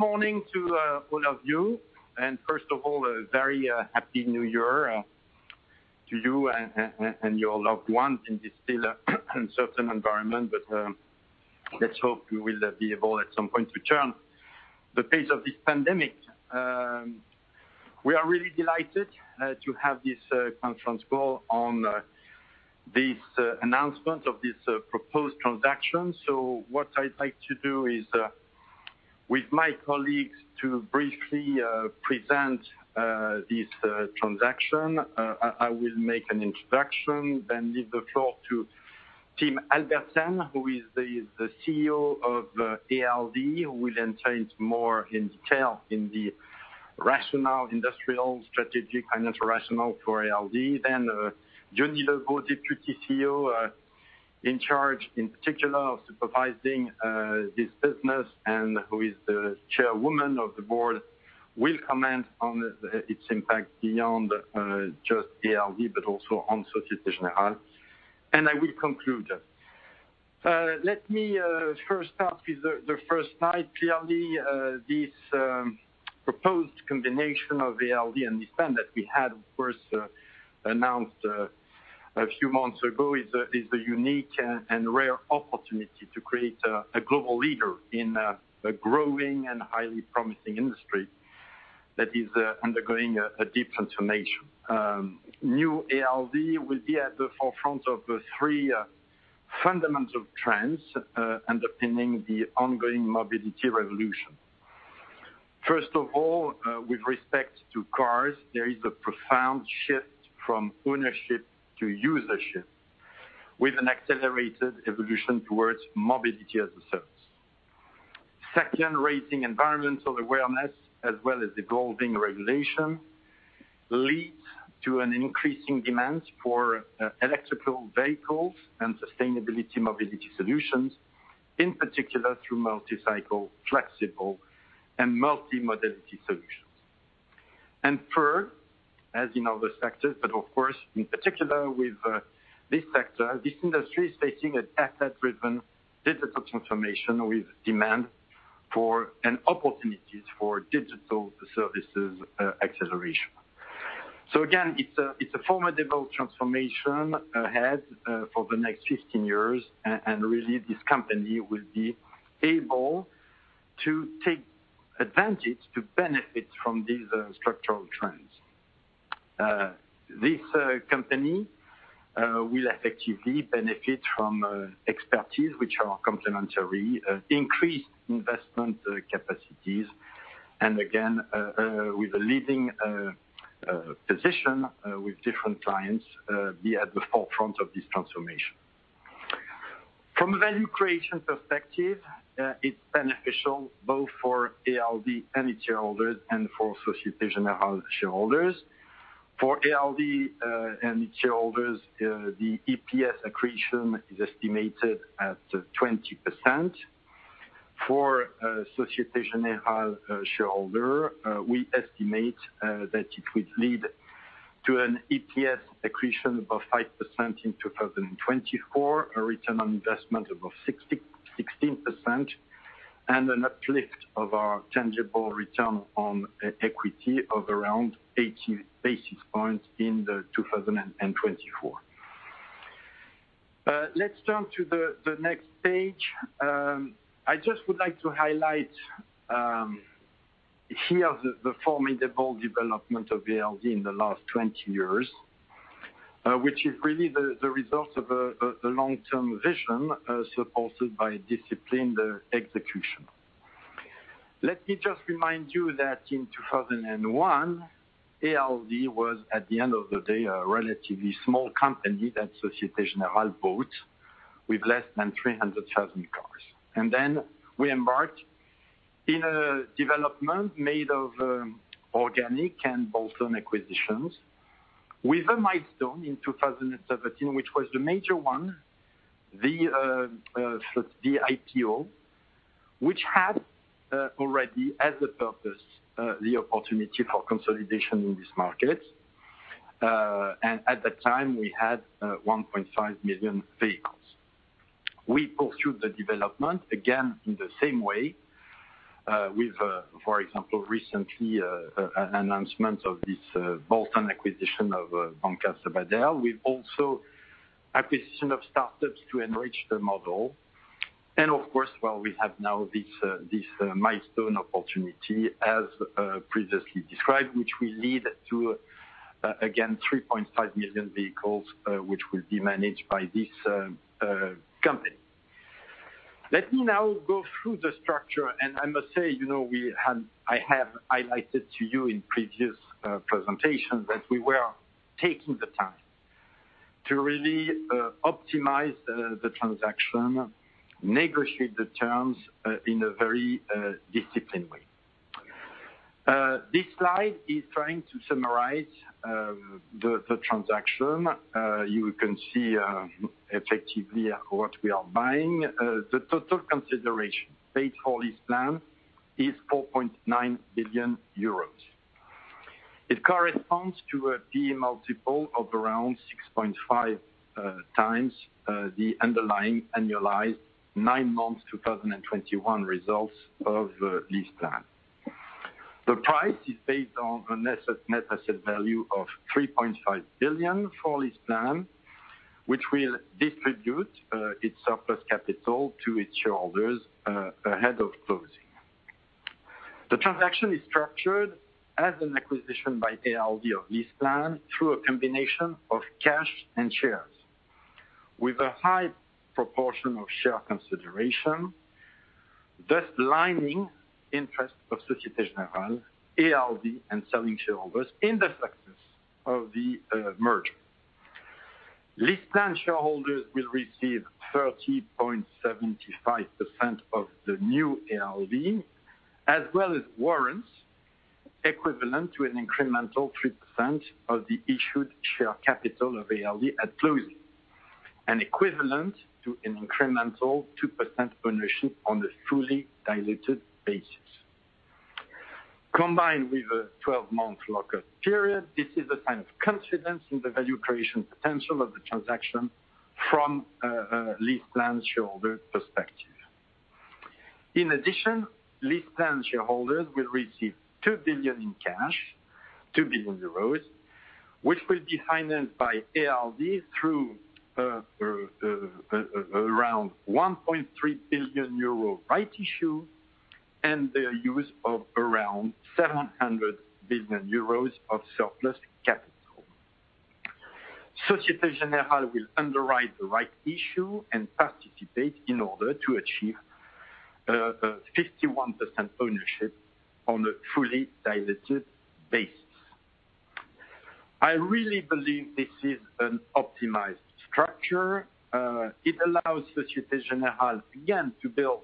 Good morning to all of you. First of all, a very happy New Year to you and your loved ones in this still uncertain environment. Let's hope we will be able at some point to turn the page of this pandemic. We are really delighted to have this conference call on this announcement of this proposed transaction. What I'd like to do is, with my colleagues, to briefly present this transaction. I will make an introduction, then leave the floor to Tim Albertsen, who is the CEO of ALD, who will then go into more detail on the rationale, industrial, strategic and financial for ALD. Diony Lebot, Deputy CEO, in charge in particular of supervising this business and who is the chairwoman of the board, will comment on its impact beyond just ALD, but also on Société Générale. I will conclude. Let me first start with the first slide. Clearly, this proposed combination of ALD and LeasePlan that we had first announced a few months ago is a unique and rare opportunity to create a global leader in a growing and highly promising industry that is undergoing a deep transformation. New ALD will be at the forefront of the three fundamental trends underpinning the ongoing mobility revolution. First of all, with respect to cars, there is a profound shift from ownership to usership with an accelerated evolution towards mobility as a service. Second, rising environmental awareness as well as the growing regulation leads to an increasing demand for electric vehicles and sustainable mobility solutions, in particular through multi-cycle, flexible and multi-modality solutions. Third, as in other sectors, but of course in particular with this sector, this industry is facing an asset-driven digital transformation with demand for and opportunities for digital services acceleration. So again, it's a formidable transformation ahead for the next 15 years. Really, this company will be able to take advantage to benefit from these structural trends. This company will effectively benefit from expertise which are complementary, increased investment capacities. with a leading position with different clients be at the forefront of this transformation. From a value creation perspective, it's beneficial both for ALD and its shareholders and for Société Générale shareholders. For ALD and its shareholders, the EPS accretion is estimated at 20%. For Société Générale shareholder, we estimate that it would lead to an EPS accretion of 5% in 2024, a return on investment of 16%, and an uplift of our tangible return on equity of around 80 basis points in 2024. Let's turn to the next page. I just would like to highlight here the formidable development of ALD in the last twenty years, which is really the result of a long-term vision supported by a disciplined execution. Let me just remind you that in 2001, ALD was, at the end of the day, a relatively small company that Société Générale bought with less than 300,000 cars. Then we embarked in a development made of organic and bolt-on acquisitions with a milestone in 2017, which was the major one, the IPO, which had already as a purpose the opportunity for consolidation in this market. At the time, we had 1.5 million vehicles. We pursued the development, again in the same way, with, for example, recently, an announcement of this bolt-on acquisition of Banco Sabadell. We've also made acquisitions of startups to enrich the model. Of course, while we have now this milestone opportunity as previously described, which will lead to, again, 3.5 million vehicles, which will be managed by this company. Let me now go through the structure, and I must say, you know, I have highlighted to you in previous presentations that we were taking the time to really optimize the transaction, negotiate the terms, in a very disciplined way. This slide is trying to summarize the transaction. You can see effectively what we are buying. The total consideration paid for LeasePlan is 4.9 billion euros. It corresponds to a P/E multiple of around 6.5 times the underlying annualized nine months 2021 results of LeasePlan. The price is based on a net asset value of 3.5 billion for LeasePlan, which will distribute its surplus capital to its shareholders ahead of closing. The transaction is structured as an acquisition by ALD of LeasePlan through a combination of cash and shares with a high proportion of share consideration, thus aligning interests of Société Générale, ALD, and selling shareholders in the success of the merger. LeasePlan shareholders will receive 30.75% of the new ALD, as well as warrants equivalent to an incremental 3% of the issued share capital of ALD at closing, and equivalent to an incremental 2% ownership on the fully diluted basis. Combined with a 12-month lockout period, this is a sign of confidence in the value creation potential of the transaction from LeasePlan shareholders' perspective. In addition, LeasePlan shareholders will receive 2 billion in cash, which will be financed by ALD through around 1.3 billion euro rights issue and the use of around 700 million euros of surplus capital. Société Générale will underwrite the rights issue and participate in order to achieve a 51% ownership on a fully diluted basis. I really believe this is an optimized structure. It allows Société Générale again to build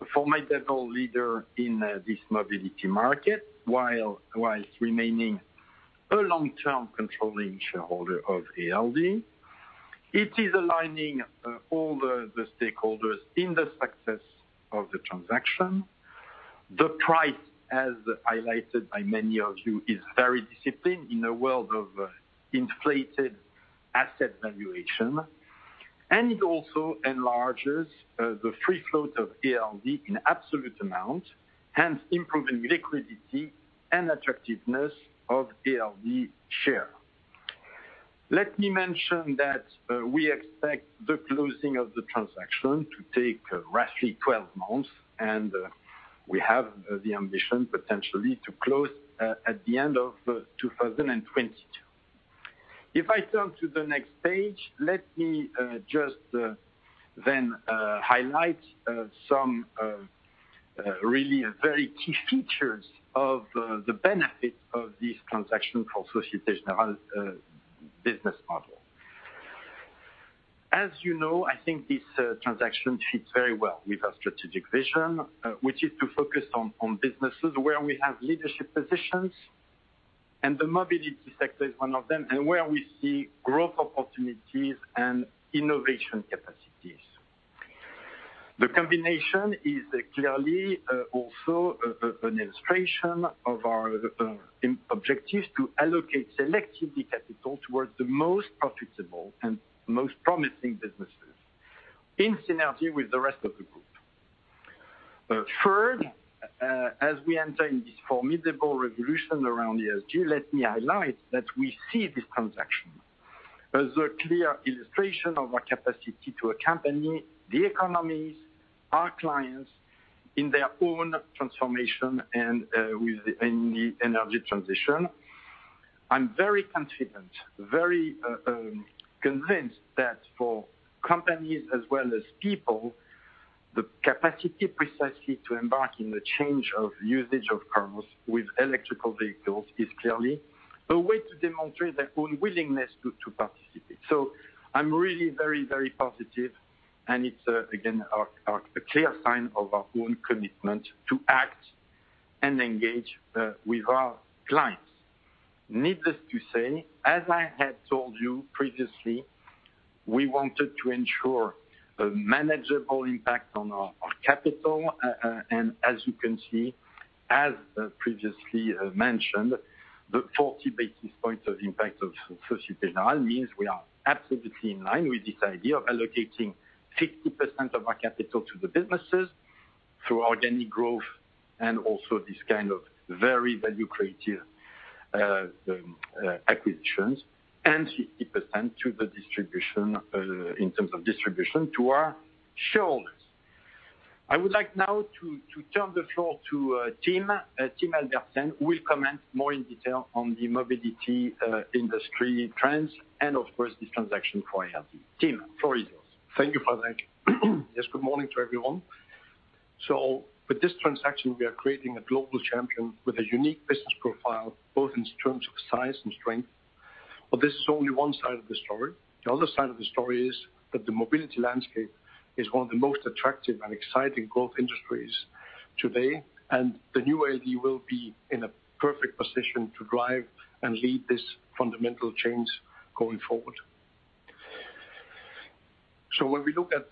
a formidable leader in this mobility market while remaining a long-term controlling shareholder of ALD. It is aligning all the stakeholders in the success of the transaction. The price, as highlighted by many of you, is very disciplined in a world of inflated asset valuation. It also enlarges the free float of ALD in absolute amount, hence improving liquidity and attractiveness of ALD share. Let me mention that we expect the closing of the transaction to take roughly 12 months, and we have the ambition potentially to close at the end of 2022. If I turn to the next page, let me just then highlight some really very key features of the benefits of this transaction for Société Générale business model. As you know, I think this transaction fits very well with our strategic vision, which is to focus on businesses where we have leadership positions, and the mobility sector is one of them, and where we see growth opportunities and innovation capacities. The combination is clearly also an illustration of our objectives to allocate selectively capital towards the most profitable and most promising businesses in synergy with the rest of the group. Third, as we enter into this formidable revolution around ESG, let me highlight that we see this transaction as a clear illustration of our capacity to accompany the economies, our clients, in their own transformation and in the energy transition. I'm very confident, very convinced that for companies as well as people, the capacity precisely to embark on the change of usage of cars with electric vehicles is clearly a way to demonstrate their own willingness to participate. I'm really very positive, and it's again a clear sign of our own commitment to act and engage with our clients. Needless to say, as I had told you previously, we wanted to ensure a manageable impact on our capital. As you can see, as previously mentioned, the 40 basis points of impact of Société Générale means we are absolutely in line with this idea of allocating 60% of our capital to the businesses through organic growth and also this kind of very value creative acquisitions, and 60% to the distribution in terms of distribution to our shareholders. I would like now to turn the floor to Tim Albertsen, who will comment more in detail on the mobility industry trends and of course this transaction for ALD. Tim, floor is yours. Thank you, Frédéric. Yes, good morning to everyone. With this transaction, we are creating a global champion with a unique business profile, both in terms of size and strength. This is only one side of the story. The other side of the story is that the mobility landscape is one of the most attractive and exciting growth industries today, and the new ALD will be in a perfect position to drive and lead this fundamental change going forward. When we look at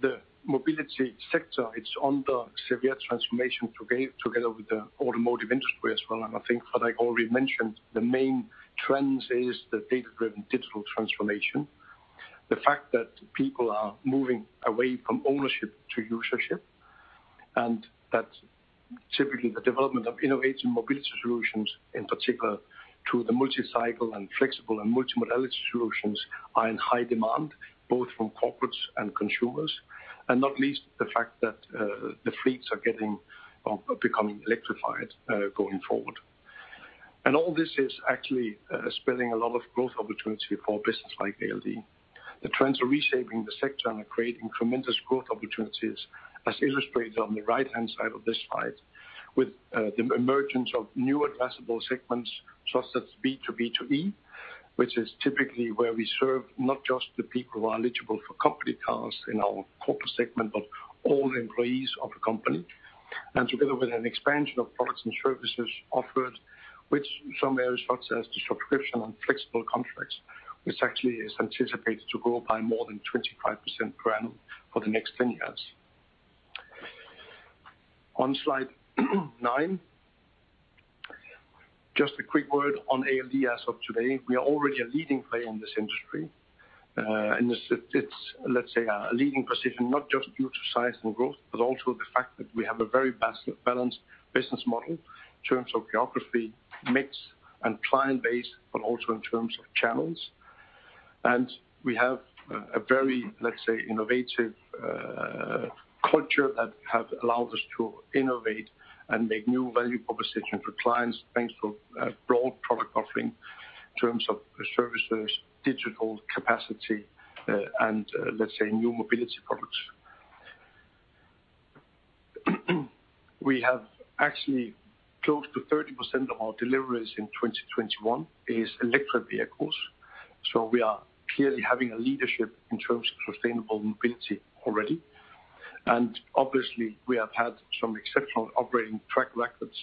the mobility sector, it's undergoing severe transformation together with the automotive industry as well. I think that I already mentioned the main trends is the data-driven digital transformation, the fact that people are moving away from ownership to usership, and that typically the development of innovative mobility solutions, in particular to the multi-cycle and flexible and multi-modality solutions are in high demand, both from corporates and consumers, and not least the fact that, the fleets are becoming electrified, going forward. All this is actually, spilling a lot of growth opportunity for business like ALD. The trends are reshaping the sector and are creating tremendous growth opportunities, as illustrated on the right-hand side of this slide, with, the emergence of new addressable segments such as B2B2E, which is typically where we serve not just the people who are eligible for company cars in our corporate segment, but all employees of the company. Together with an expansion of products and services offered, which some areas refer to as the subscription on flexible contracts, which actually is anticipated to grow by more than 25% per annum for the next 10 years. On slide nine, just a quick word on ALD as of today. We are already a leading player in this industry, and it's, let's say, a leading position, not just due to size and growth, but also the fact that we have a very balanced business model in terms of geography, mix, and client base, but also in terms of channels. We have a very, let's say, innovative culture that has allowed us to innovate and make new value proposition for clients, thanks to a broad product offering in terms of services, digital capacity, and let's say new mobility products. We have actually close to 30% of our deliveries in 2021 is electric vehicles, so we are clearly having a leadership in terms of sustainable mobility already. Obviously, we have had some exceptional operating track records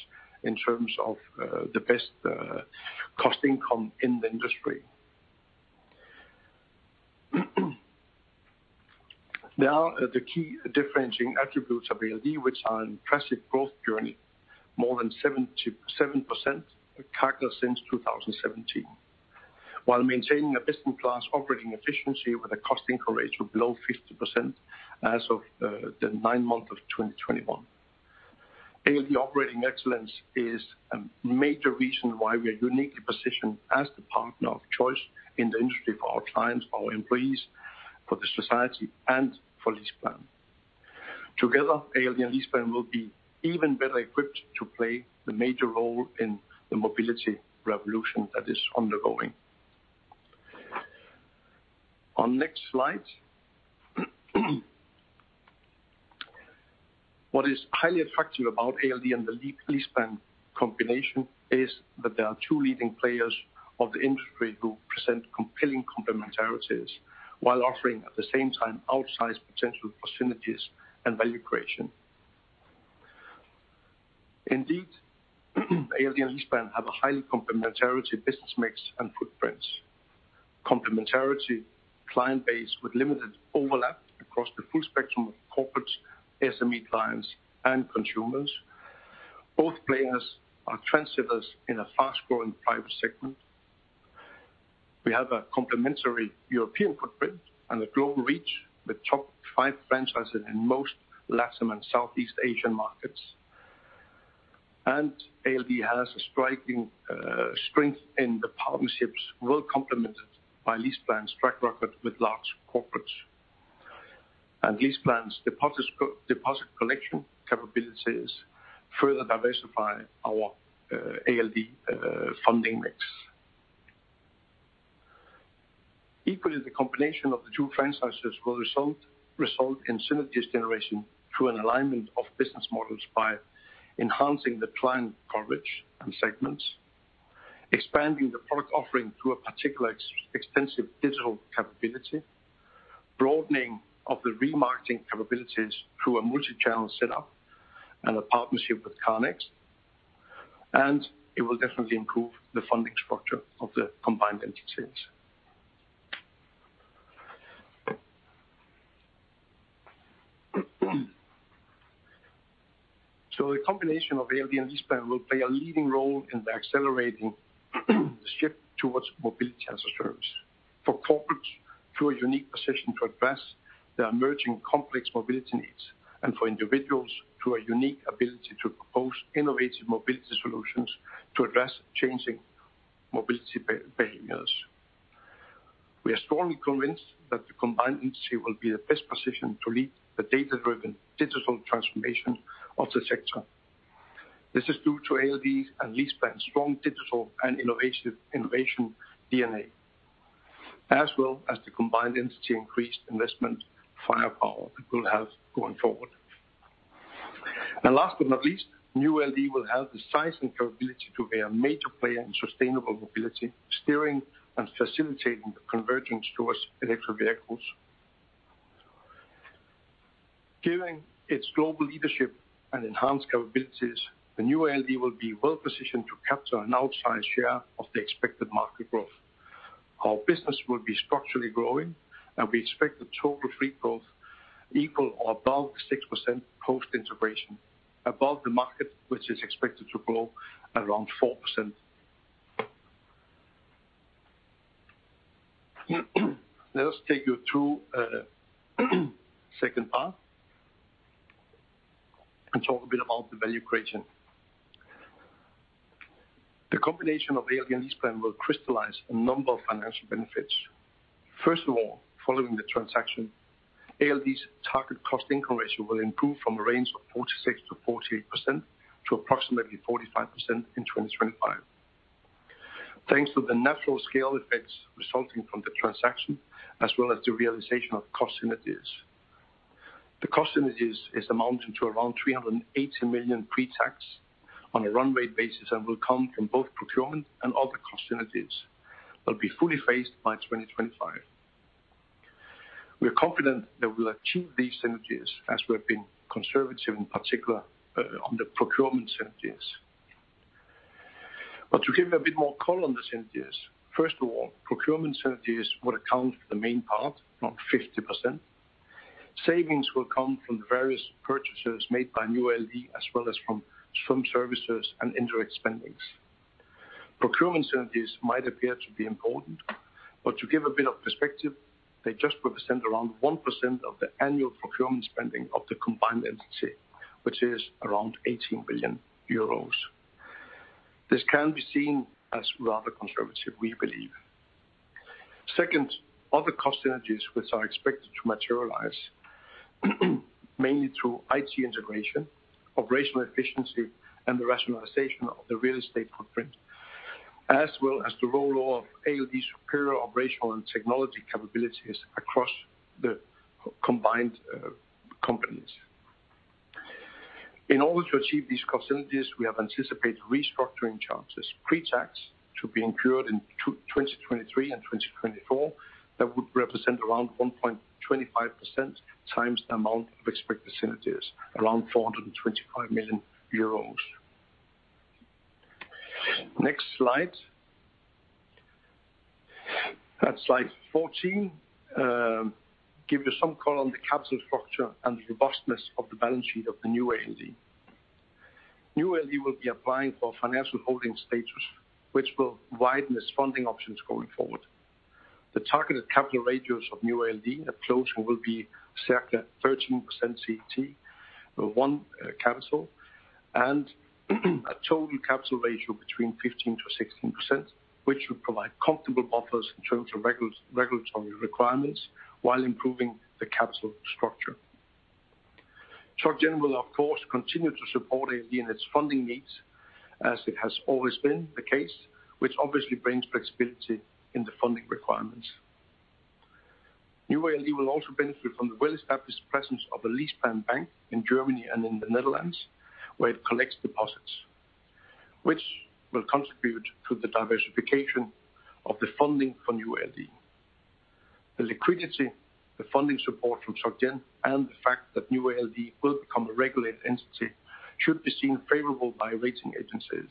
in terms of the best cost income in the industry. Now, the key differentiating attributes of ALD, which are impressive growth journey, more than 7%-7% CAGR since 2017, while maintaining a best-in-class operating efficiency with a cost-income ratio below 50% as of the nine months of 2021. ALD operating excellence is a major reason why we are uniquely positioned as the partner of choice in the industry for our clients, for our employees, for the society, and for LeasePlan. Together, ALD and LeasePlan will be even better equipped to play the major role in the mobility revolution that is undergoing. On next slide. What is highly attractive about ALD and the LeasePlan combination is that there are two leading players of the industry who present compelling complementarities while offering, at the same time, outsized potential synergies and value creation. Indeed, ALD and LeasePlan have a highly complementary business mix and footprints, complementary client base with limited overlap across the full spectrum of corporate SME clients and consumers. Both players are trendsetters in a fast-growing private segment. We have a complementary European footprint and a global reach with top five franchises in most LATAM and Southeast Asian markets. ALD has a striking strength in the partnerships, well complemented by LeasePlan's track record with large corporates. LeasePlan's deposit collection capabilities further diversify our ALD funding mix. Equally, the combination of the two franchises will result in synergies generation through an alignment of business models by enhancing the client coverage and segments, expanding the product offering through a particularly extensive digital capability, broadening of the remarketing capabilities through a multi-channel setup and a partnership with CarNext, and it will definitely improve the funding structure of the combined entities. The combination of ALD and LeasePlan will play a leading role in accelerating the shift towards mobility as a service for corporates through a unique position to address their emerging complex mobility needs and for individuals through a unique ability to propose innovative mobility solutions to address changing mobility behaviors. We are strongly convinced that the combined entity will be the best position to lead the data-driven digital transformation of the sector. This is due to ALD's and LeasePlan's strong digital and innovation DNA, as well as the combined entity increased investment firepower it will have going forward. Last but not least, New ALD will have the size and capability to be a major player in sustainable mobility, steering and facilitating the convergence towards electric vehicles. Given its global leadership and enhanced capabilities, the new ALD will be well positioned to capture an outsized share of the expected market growth. Our business will be structurally growing, and we expect the total fleet growth equal or above 6% post-integration, above the market, which is expected to grow around 4%. Let us take you through second part and talk a bit about the value creation. The combination of ALD and LeasePlan will crystallize a number of financial benefits. First of all, following the transaction, ALD's target cost-income ratio will improve from a range of 46%-48% to approximately 45% in 2025. Thanks to the natural scale effects resulting from the transaction, as well as the realization of cost synergies. The cost synergies is amounting to around 380 million pre-tax on a run-rate basis and will come from both procurement and other cost synergies. They'll be fully phased by 2025. We are confident that we'll achieve these synergies as we have been conservative, in particular, on the procurement synergies. To give a bit more color on the synergies, first of all, procurement synergies will account for the main part, around 50%. Savings will come from the various purchases made by new ALD as well as from services and indirect spending. Procurement synergies might appear to be important, but to give a bit of perspective, they just represent around 1% of the annual procurement spending of the combined entity, which is around 18 billion euros. This can be seen as rather conservative, we believe. Second, other cost synergies which are expected to materialize mainly through IT integration, operational efficiency, and the rationalization of the real estate footprint, as well as the roll of ALD's superior operational and technology capabilities across the combined, companies. In order to achieve these cost synergies, we have anticipated restructuring charges pre-tax to be incurred in 2023 and 2024 that would represent around 1.25% times the amount of expected synergies, around 425 million euros. Next slide. Slide 14 gives you some color on the capital structure and the robustness of the balance sheet of the new ALD. New ALD will be applying for financial holding status, which will widen its funding options going forward. The targeted capital ratios of new ALD at closure will be circa 13% CET1 capital and a total capital ratio 15%-16%, which will provide comfortable buffers in terms of regulatory requirements while improving the capital structure. Soc Gen will of course continue to support ALD in its funding needs, as it has always been the case, which obviously brings flexibility in the funding requirements. New ALD will also benefit from the well-established presence of the LeasePlan Bank in Germany and in the Netherlands, where it collects deposits, which will contribute to the diversification of the funding for new ALD. The liquidity, the funding support from Soc Gen, and the fact that new ALD will become a regulated entity should be seen favorable by rating agencies.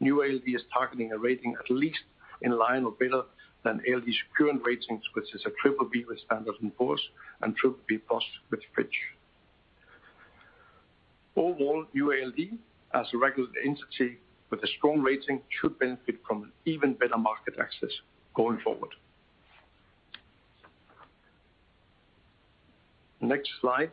New ALD is targeting a rating at least in line or better than ALD's current ratings, which is a BBB with Standard & Poor's and BBB+ with Fitch. Overall, new ALD as a regulated entity with a strong rating should benefit from even better market access going forward. Next slide.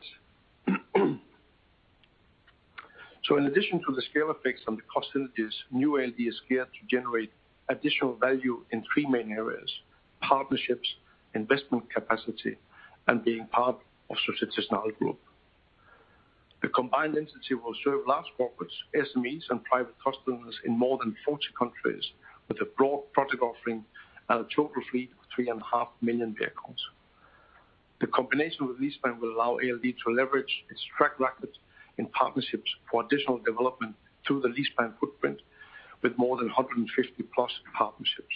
In addition to the scale effects and the cost synergies, new ALD is here to generate additional value in three main areas: partnerships, investment capacity, and being part of Société Générale group. The combined entity will serve large corporates, SMEs and private customers in more than 40 countries with a broad product offering and a total fleet of 3.5 million vehicles. The combination with LeasePlan will allow ALD to leverage its track record in partnerships for additional development through the LeasePlan footprint with more than 150+ partnerships.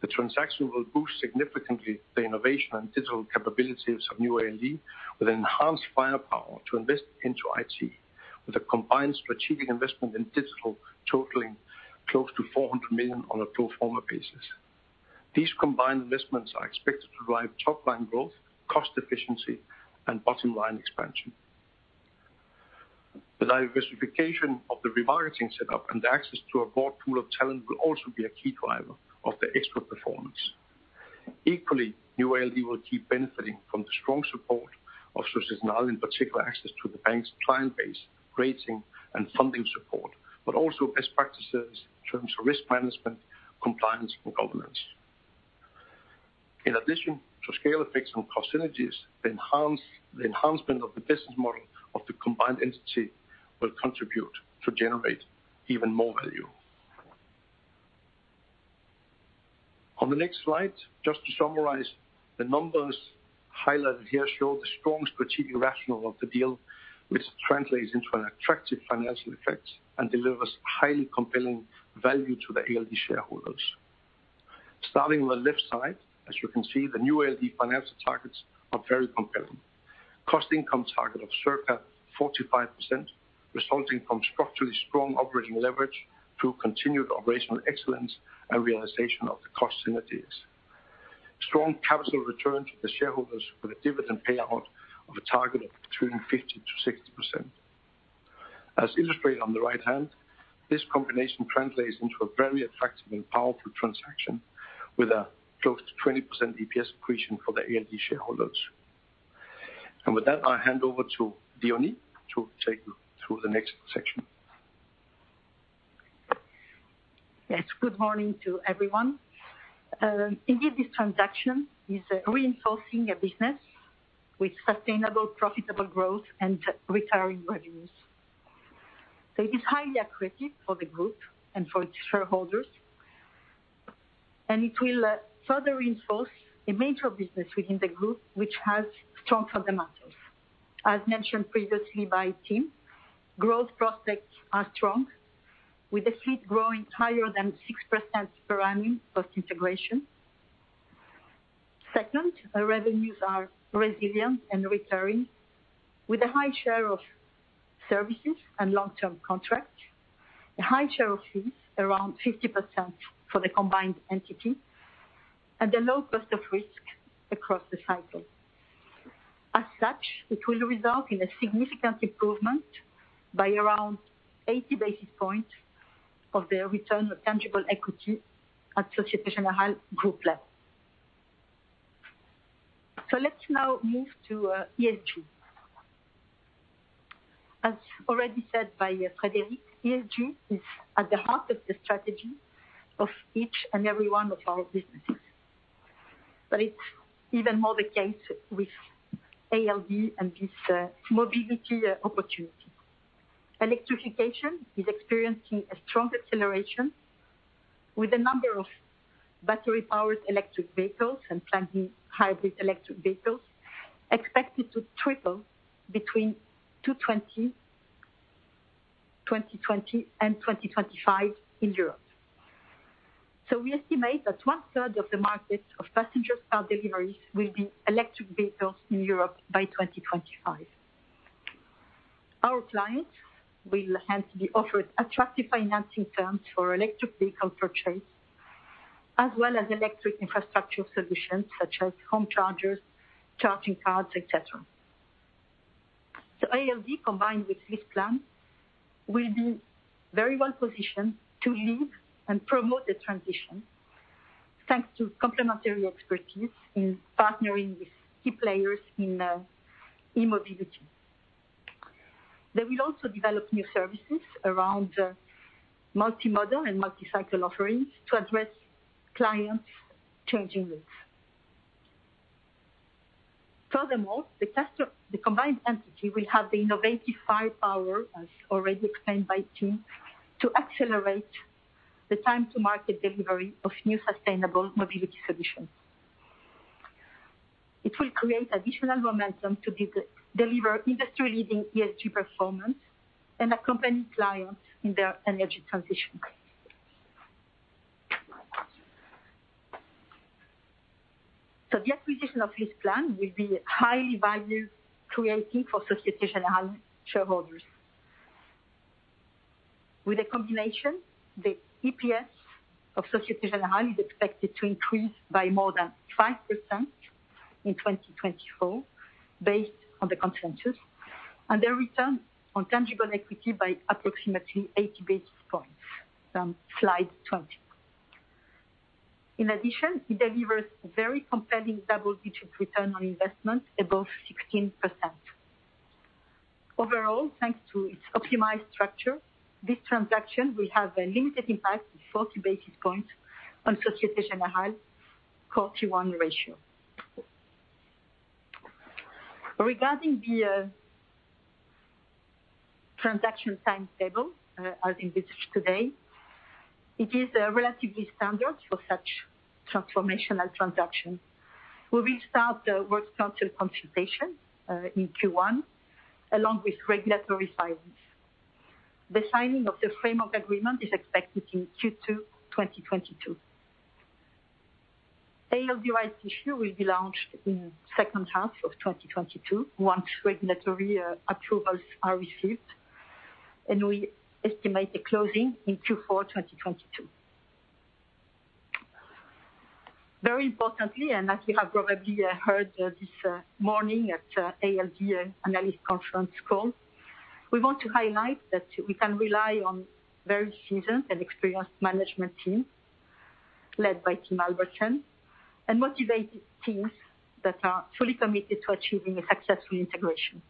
The transaction will boost significantly the innovation and digital capabilities of new ALD with enhanced firepower to invest into IT with a combined strategic investment in digital totaling close to 400 million on a pro forma basis. These combined investments are expected to drive top line growth, cost efficiency and bottom line expansion. The diversification of the remarketing setup and the access to a broad pool of talent will also be a key driver of the extra performance. Equally, new ALD will keep benefiting from the strong support of Société Générale, in particular access to the bank's client base, rating and funding support, but also best practices in terms of risk management, compliance and governance. In addition to scale effects on cost synergies, the enhancement of the business model of the combined entity will contribute to generate even more value. On the next slide, just to summarize, the numbers highlighted here show the strong strategic rationale of the deal, which translates into an attractive financial effect and delivers highly compelling value to the ALD shareholders. Starting on the left side, as you can see, the new ALD financial targets are very compelling. Cost-income ratio target of circa 45% resulting from structurally strong operating leverage through continued operational excellence and realization of the cost synergies. Strong capital return to the shareholders with a dividend payout of a target of between 50%-60%. As illustrated on the right hand, this combination translates into a very attractive and powerful transaction with a close to 20% EPS accretion for the ALD shareholders. With that, I hand over to Diony Lebot to take you through the next section. Yes. Good morning to everyone. Indeed, this transaction is reinforcing a business with sustainable, profitable growth and recurring revenues. It is highly accretive for the group and for the shareholders, and it will further reinforce a major business within the group which has strong fundamentals. As mentioned previously by Tim, growth prospects are strong, with the fleet growing higher than 6% per annum post-integration. Second, our revenues are resilient and recurring, with a high share of services and long-term contracts, a high share of fees, around 50% for the combined entity, and a low cost of risk across the cycle. As such, it will result in a significant improvement by around 80 basis points of the return on tangible equity at Société Générale group level. Let's now move to ESG. As already said by Frédéric, ESG is at the heart of the strategy of each and every one of our businesses. It's even more the case with ALD and this mobility opportunity. Electrification is experiencing a strong acceleration with a number of battery-powered electric vehicles and plug-in hybrid electric vehicles expected to triple between 2020 and 2025 in Europe. We estimate that 1/3 of the market of passenger car deliveries will be electric vehicles in Europe by 2025. Our clients will hence be offered attractive financing terms for electric vehicle purchase, as well as electric infrastructure solutions such as home chargers, charging cards, et cetera. ALD, combined with LeasePlan, will be very well positioned to lead and promote the transition, thanks to complementary expertise in partnering with key players in e-mobility. They will also develop new services around multi-modal and multi-cycle offerings to address clients' changing needs. Furthermore, the combined entity will have the innovative firepower, as already explained by Tim, to accelerate the time to market delivery of new sustainable mobility solutions. It will create additional momentum to deliver industry-leading ESG performance and accompany clients in their energy transition. The acquisition of LeasePlan will be highly value creating for Société Générale shareholders. With the combination, the EPS of Société Générale is expected to increase by more than 5% in 2024, based on the consensus, and the return on tangible equity by approximately 80 basis points from slide 20. In addition, it delivers very compelling double-digit return on investment above 16%. Overall, thanks to its optimized structure, this transaction will have a limited impact of 40 basis points on Société Générale's cost-income ratio. Regarding the transaction timetable, as it is today, it is relatively standard for such transformational transaction. We will start the works council consultation in Q1, along with regulatory filings. The signing of the framework agreement is expected in Q2 2022. ALD IPO will be launched in second half of 2022 once regulatory approvals are received, and we estimate the closing in Q4 2022. Very importantly, as you have probably heard this morning at ALD analyst conference call, we want to highlight that we can rely on very seasoned and experienced management team led by Tim Albertsen, and motivated teams that are fully committed to achieving a successful integration.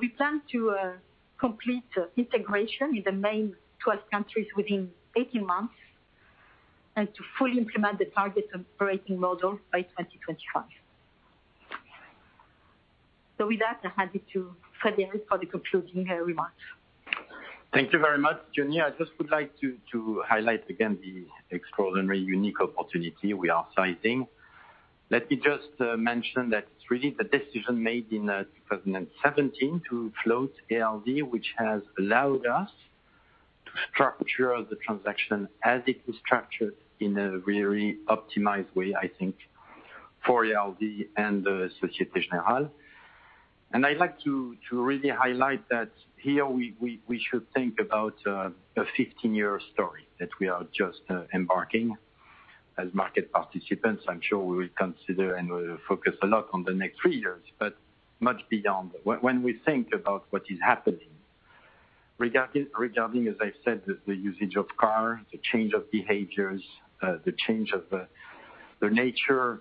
We plan to complete integration in the main 12 countries within 18 months, and to fully implement the target operating model by 2025. With that, I hand it to Frédéric for the concluding remarks. Thank you very much, Diony. I just would like to highlight again the extraordinary unique opportunity we are citing. Let me just mention that it's really the decision made in 2017 to float ALD, which has allowed us to structure the transaction as it was structured in a very optimized way, I think, for ALD and the Société Générale. I'd like to really highlight that here we should think about a 15-year story that we are just embarking. As market participants, I'm sure we will consider and we'll focus a lot on the next three years, but much beyond that. When we think about what is happening regarding, as I said, the usage of car, the change of behaviors, the change of the nature of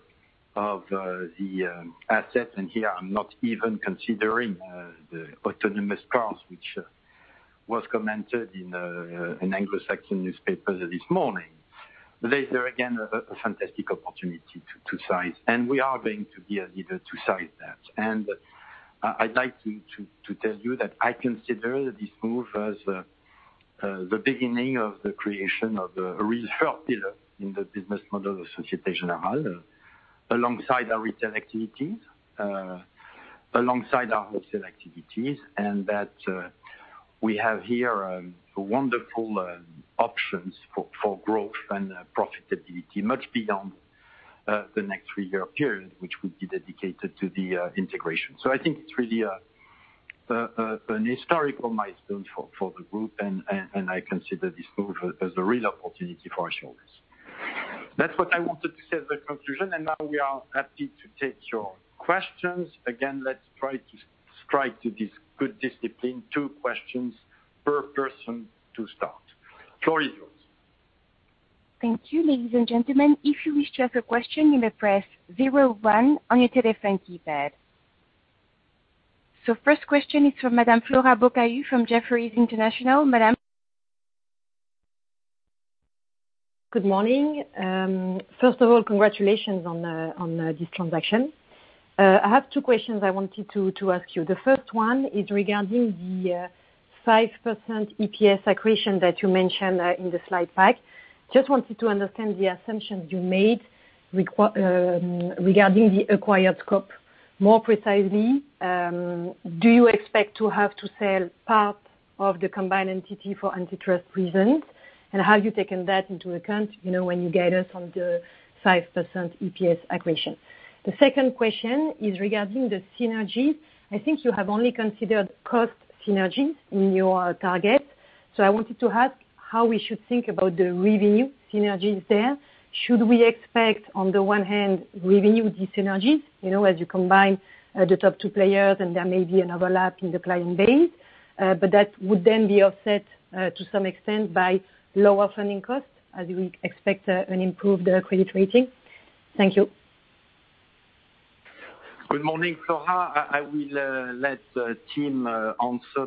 the assets, and here I'm not even considering the autonomous cars, which was commented in Anglo-Saxon newspapers this morning. There is again a fantastic opportunity to seize, and we are going to be a leader to seize that. I'd like to tell you that I consider this move as the beginning of the creation of a real third pillar in the business model of Société Générale, alongside our retail activities, alongside our wholesale activities, and that we have here wonderful options for growth and profitability much beyond the next three-year period, which will be dedicated to the integration. I think it's really an historical milestone for the group, and I consider this move as a real opportunity for our shareholders. That's what I wanted to say in conclusion, and now we are happy to take your questions. Again, let's try to strive to this good discipline, two questions per person to start. Floor is yours. Thank you. Ladies and gentlemen, if you wish to ask question you may press zero one on your telephone keypad. First question is from Madame Flora Bocahut from Jefferies International. Madame? Good morning. First of all, congratulations on this transaction. I have two questions I wanted to ask you. The first one is regarding the 5% EPS accretion that you mentioned in the slide pack. Just wanted to understand the assumptions you made regarding the acquired scope. More precisely, do you expect to have to sell part of the combined entity for antitrust reasons? And have you taken that into account, you know, when you guide us on the 5% EPS accretion? The second question is regarding the synergy. I think you have only considered cost synergies in your target. I wanted to ask how we should think about the revenue synergies there. Should we expect, on the one hand, revenue dis-synergies, you know, as you combine the top two players, and there may be an overlap in the client base, but that would then be offset to some extent by lower funding costs as we expect an improved credit rating? Thank you. Good morning, Flora Bocahut. I will let Tim Albertsen answer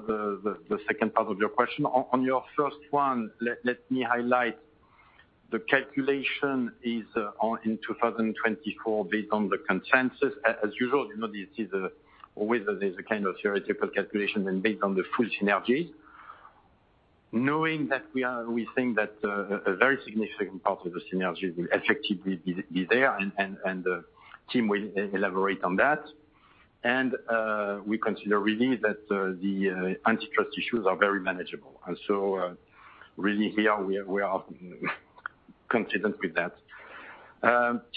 the second part of your question. On your first one, let me highlight the calculation is on 2024 based on the consensus. As usual, you know, this is always there is a kind of theoretical calculation and based on the full synergy. Knowing that we think that a very significant part of the synergy will effectively be there, and Tim Albertsen will elaborate on that. We consider really that the antitrust issues are very manageable. We are confident with that.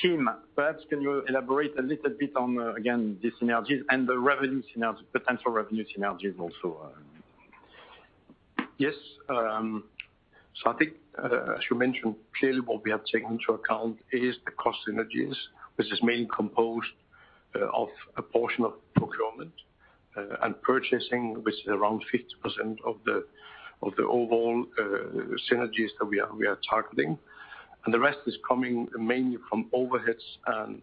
Tim Albertsen, perhaps can you elaborate a little bit on again, these synergies and the revenue synergies, potential revenue synergies also? Yes. I think, as you mentioned, clearly what we have taken into account is the cost synergies, which is mainly composed of a portion of procurement and purchasing, which is around 50% of the overall synergies that we are targeting. The rest is coming mainly from overheads and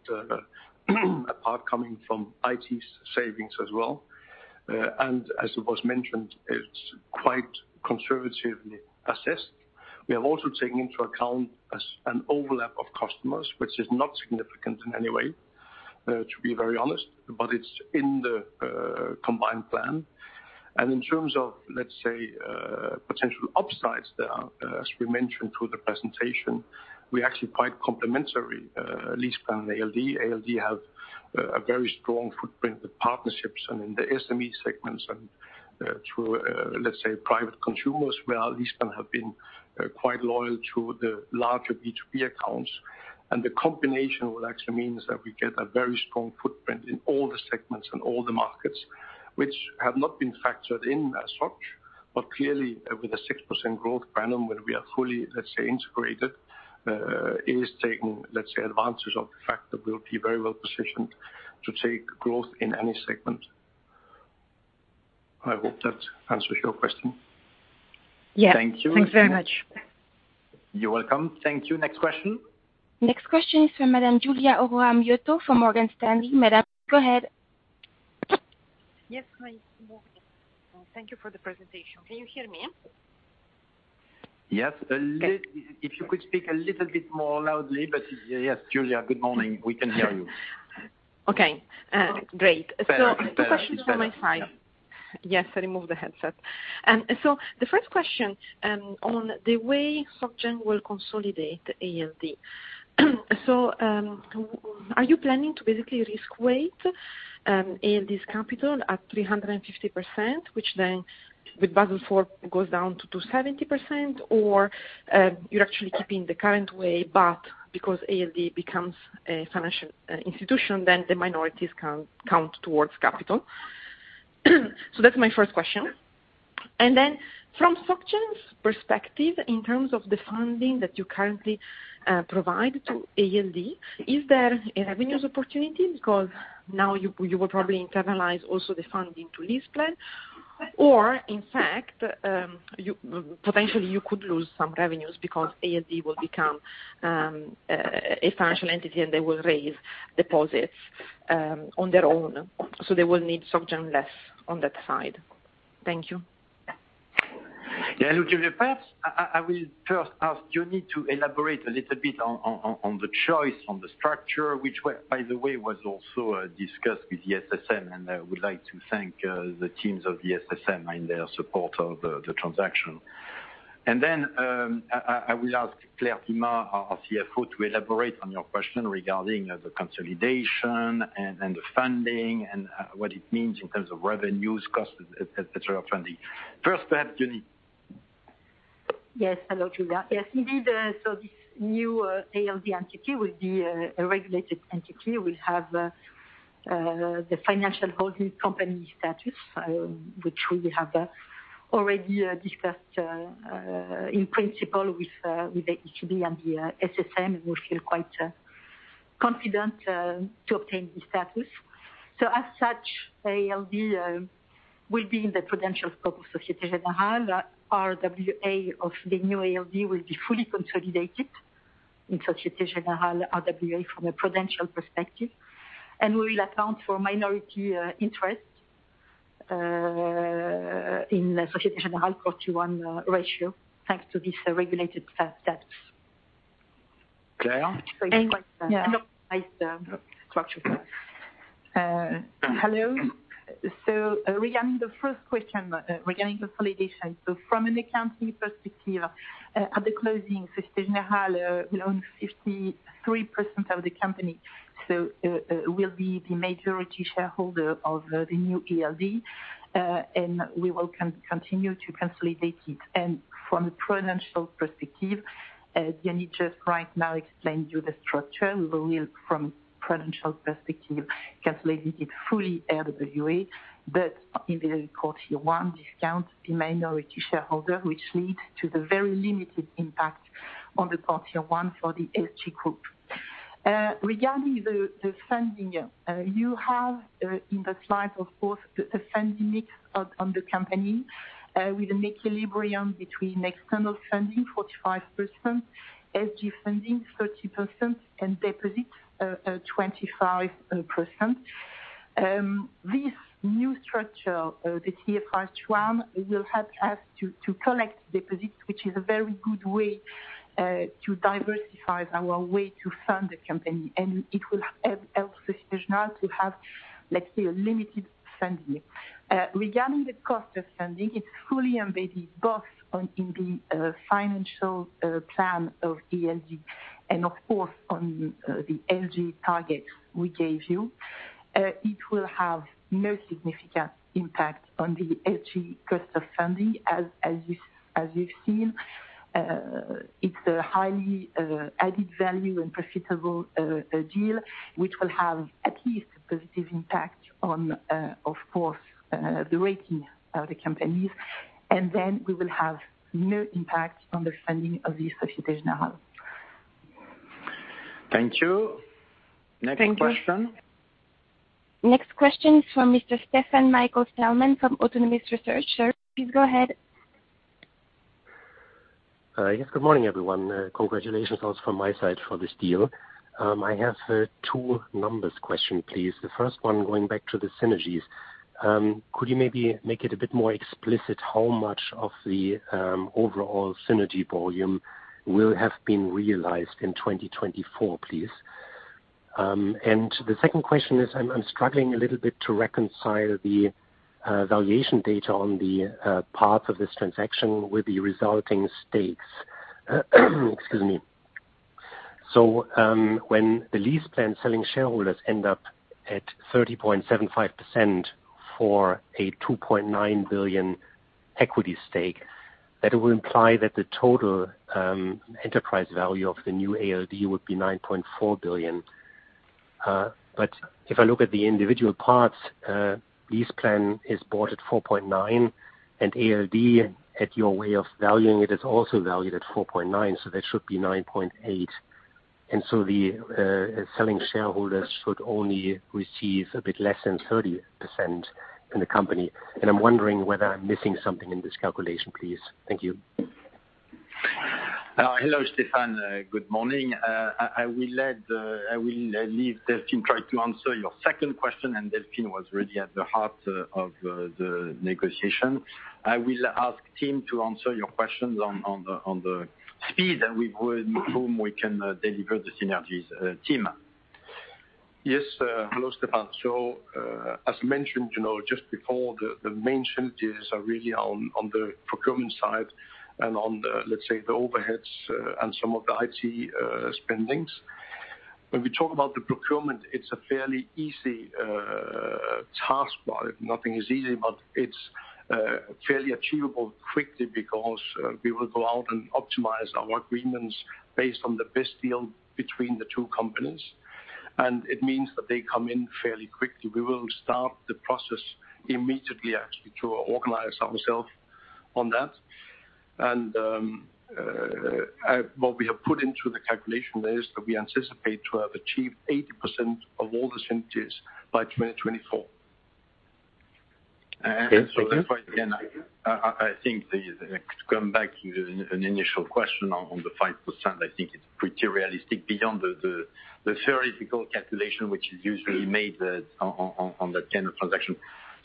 a part coming from IT savings as well. As it was mentioned, it's quite conservatively assessed. We have also taken into account an overlap of customers, which is not significant in any way, to be very honest, but it's in the combined plan. In terms of, let's say, potential upsides there, as we mentioned through the presentation, we are actually quite complementary, LeasePlan and ALD. ALD have a very strong footprint with partnerships and in the SME segments and through let's say private consumers, where LeasePlan have been quite loyal to the larger B2B accounts. The combination will actually means that we get a very strong footprint in all the segments and all the markets, which have not been factored in as such. Clearly, with a 6% growth run-rate, when we are fully let's say integrated is taking let's say advantages of the fact that we'll be very well positioned to take growth in any segment. I hope that answers your question. Yeah. Thank you. Thanks very much. You're welcome. Thank you. Next question. Next question is from Madame Giulia Miotto from Morgan Stanley. Madame, go ahead. Yes. Hi. Thank you for the presentation. Can you hear me? Yes. If you could speak a little bit more loudly. Yes, Giulia, good morning. We can hear you. Okay, great. Two questions on my side. Yes, I removed the headset. The first question, on the way Soc Gen will consolidate ALD. Are you planning to basically risk weight ALD's capital at 350%, which then with Basel IV goes down to 70%, or you're actually keeping the current way, but because ALD becomes a financial institution, then the minorities can count towards capital? That's my first question. From Soc Gen's perspective, in terms of the funding that you currently provide to ALD, is there a revenues opportunity because now you will probably internalize also the funding to LeasePlan, or in fact, potentially you could lose some revenues because ALD will become a financial entity and they will raise deposits on their own, so they will need Soc Gen less on that side. Thank you. Yeah, look, perhaps I will first ask Diony Lebot to elaborate a little bit on the choice, on the structure, which, by the way, was also discussed with the SSM, and I would like to thank the teams of the SSM in their support of the transaction. I will ask Claire Dumas, our CFO, to elaborate on your question regarding the consolidation and the funding and what it means in terms of revenues, cost, et cetera of funding. First, perhaps, Diony Lebot. Yes, hello, Giulia. Yes, indeed. This new ALD entity will be a regulated entity, will have the financial holding company status, which we have already discussed in principle with the ECB and the SSM, and we feel quite confident to obtain this status. As such, ALD will be in the prudential scope of Société Générale. RWA of the new ALD will be fully consolidated in Société Générale RWA from a prudential perspective, and we will account for minority interest in Société Générale quarter one ratio, thanks to this regulated status. Claire? structure. Hello. Regarding the first question, regarding consolidation, from an accounting perspective, at the closing, Société Générale will own 53% of the company. We'll be the majority shareholder of the new ALD, and we will continue to consolidate it. From a prudential perspective, Diony Lebot just right now explained you the structure. We will, from prudential perspective, consolidate it fully RWA, but in the quarter one discount, the minority shareholder, which leads to the very limited impact on the quarter one for the SG group. Regarding the funding, you have in the slide, of course, the funding mix of on the company, with an equilibrium between external funding 45%, SG funding 30%, and deposit 25%. This new structure, the FHC, will help us to collect deposits, which is a very good way to diversify our way to fund the company. It will help Société Générale to have, let's say, a limited funding. Regarding the cost of funding, it's fully embedded both in the financial plan of ALD and of course on the SG target we gave you. It will have no significant impact on the SG cost of funding. As you've seen, it's a highly added value and profitable deal, which will have at least a positive impact on, of course, the rating of the companies. We will have no impact on the funding of the Société Générale. Thank you. Next question. Thank you. Next question is from Mr. Stefan Stalmann from Autonomous Research. Sir, please go ahead. Yes, good morning, everyone. Congratulations also from my side for this deal. I have two numbers question, please. The first one, going back to the synergies, could you maybe make it a bit more explicit how much of the overall synergy volume will have been realized in 2024, please? And the second question is, I'm struggling a little bit to reconcile the valuation data on the parts of this transaction with the resulting stakes. Excuse me. When the LeasePlan selling shareholders end up at 30.75% for a 2.9 billion equity stake, that will imply that the total enterprise value of the new ALD would be 9.4 billion. If I look at the individual parts, LeasePlan is bought at 4.9, and ALD, at your way of valuing it, is also valued at 4.9, so that should be 9.8. The selling shareholders should only receive a bit less than 30% in the company. I'm wondering whether I'm missing something in this calculation, please. Thank you. Hello, Stefan. Good morning. I will leave Delphine to try to answer your second question, and Delphine was really at the heart of the negotiation. I will ask Tim to answer your questions on the speed at which we can deliver the synergies. Tim? Yes. Hello, Stefan. As mentioned, you know, just before, the main synergies are really on the procurement side and on, let's say, the overheads, and some of the IT spending. When we talk about the procurement, it's a fairly easy task, but nothing is easy, it's fairly achievable quickly because we will go out and optimize our agreements based on the best deal between the two companies. It means that they come in fairly quickly. We will start the process immediately, actually, to organize ourselves on that. What we have put into the calculation there is that we anticipate to have achieved 80% of all the synergies by 2024. Okay, thank you. That's why, again, I think to come back to an initial question on the 5%, I think it's pretty realistic beyond the theoretical calculation, which is usually made on that kind of transaction.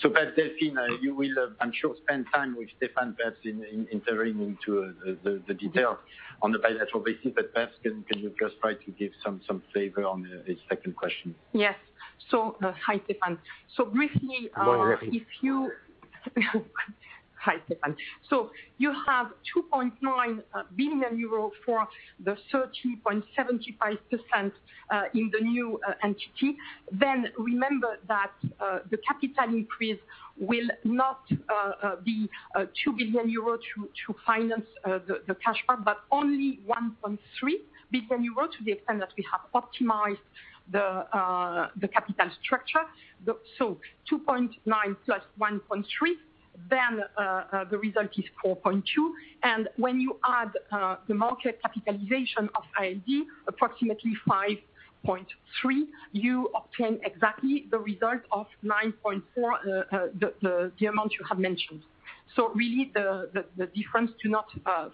Delphine, you will, I'm sure, spend time with Stefan perhaps in tailoring to the details on the bilateral basis, but perhaps can you just try to give some flavor on the second question? Yes. Hi, Stefan. Briefly, Bonjour. Hi, Stefan. You have 2.9 billion euros for the 13.75% in the new entity. Remember that the capital increase will not be 2 billion euros to finance the cash part, but only 1.3 billion euros to the extent that we have optimized the capital structure. Two point nine plus one point three, the result is 4.2. When you add the market capitalization of ALD, approximately 5.3, you obtain exactly the result of 9.4, the amount you have mentioned. Really the difference, to not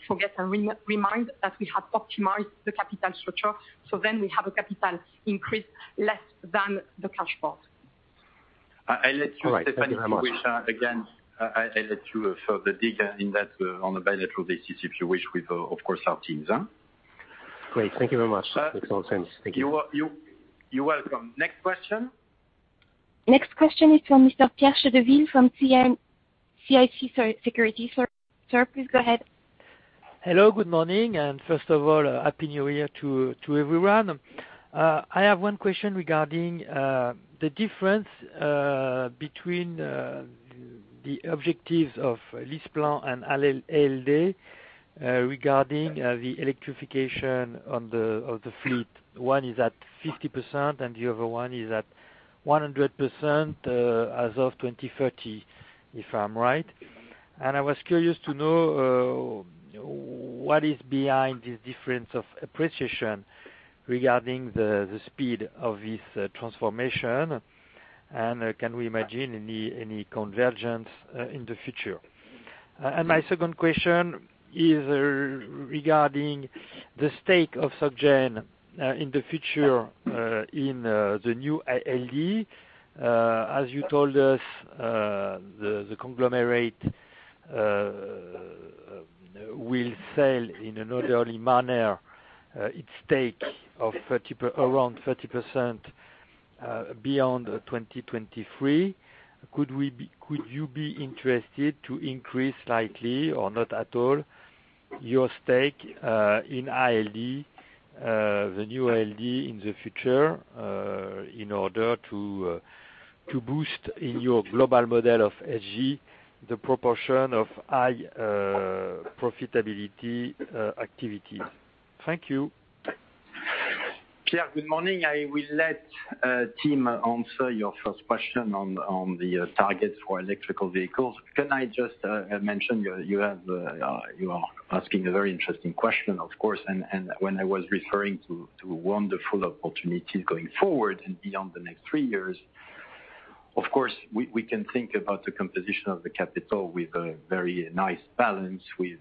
forget and remind that we have optimized the capital structure, we have a capital increase less than the cash part. I let you, Stefan, if you wish, again, I let you further dig in that on a bilateral basis if you wish with, of course, our teams. Great. Thank you very much. Makes a lot of sense. Thank you. You're welcome. Next question. Next question is from Mr. Pierre Chedeville from CM-CIC Securities. Sir, please go ahead. Hello, good morning, and first of all, happy New Year to everyone. I have one question regarding the difference between the objectives of LeasePlan and ALD regarding the electrification of the fleet. One is at 50%, and the other one is at 100%, as of 2030, if I'm right. I was curious to know what is behind this difference of appreciation regarding the speed of this transformation, and can we imagine any convergence in the future? My second question is regarding the stake of Sogecap in the future in the new ALD. As you told us, the consortium will sell in an orderly manner its stake of around 30% beyond 2023. Could you be interested to increase slightly or not at all your stake in ALD, the new ALD in the future, in order to boost in your global model of SG the proportion of high profitability activity? Thank you. Pierre, good morning. I will let Tim answer your first question on the targets for electric vehicles. Can I just mention you are asking a very interesting question, of course, and when I was referring to wonderful opportunities going forward and beyond the next three years, of course, we can think about the composition of the capital with a very nice balance with,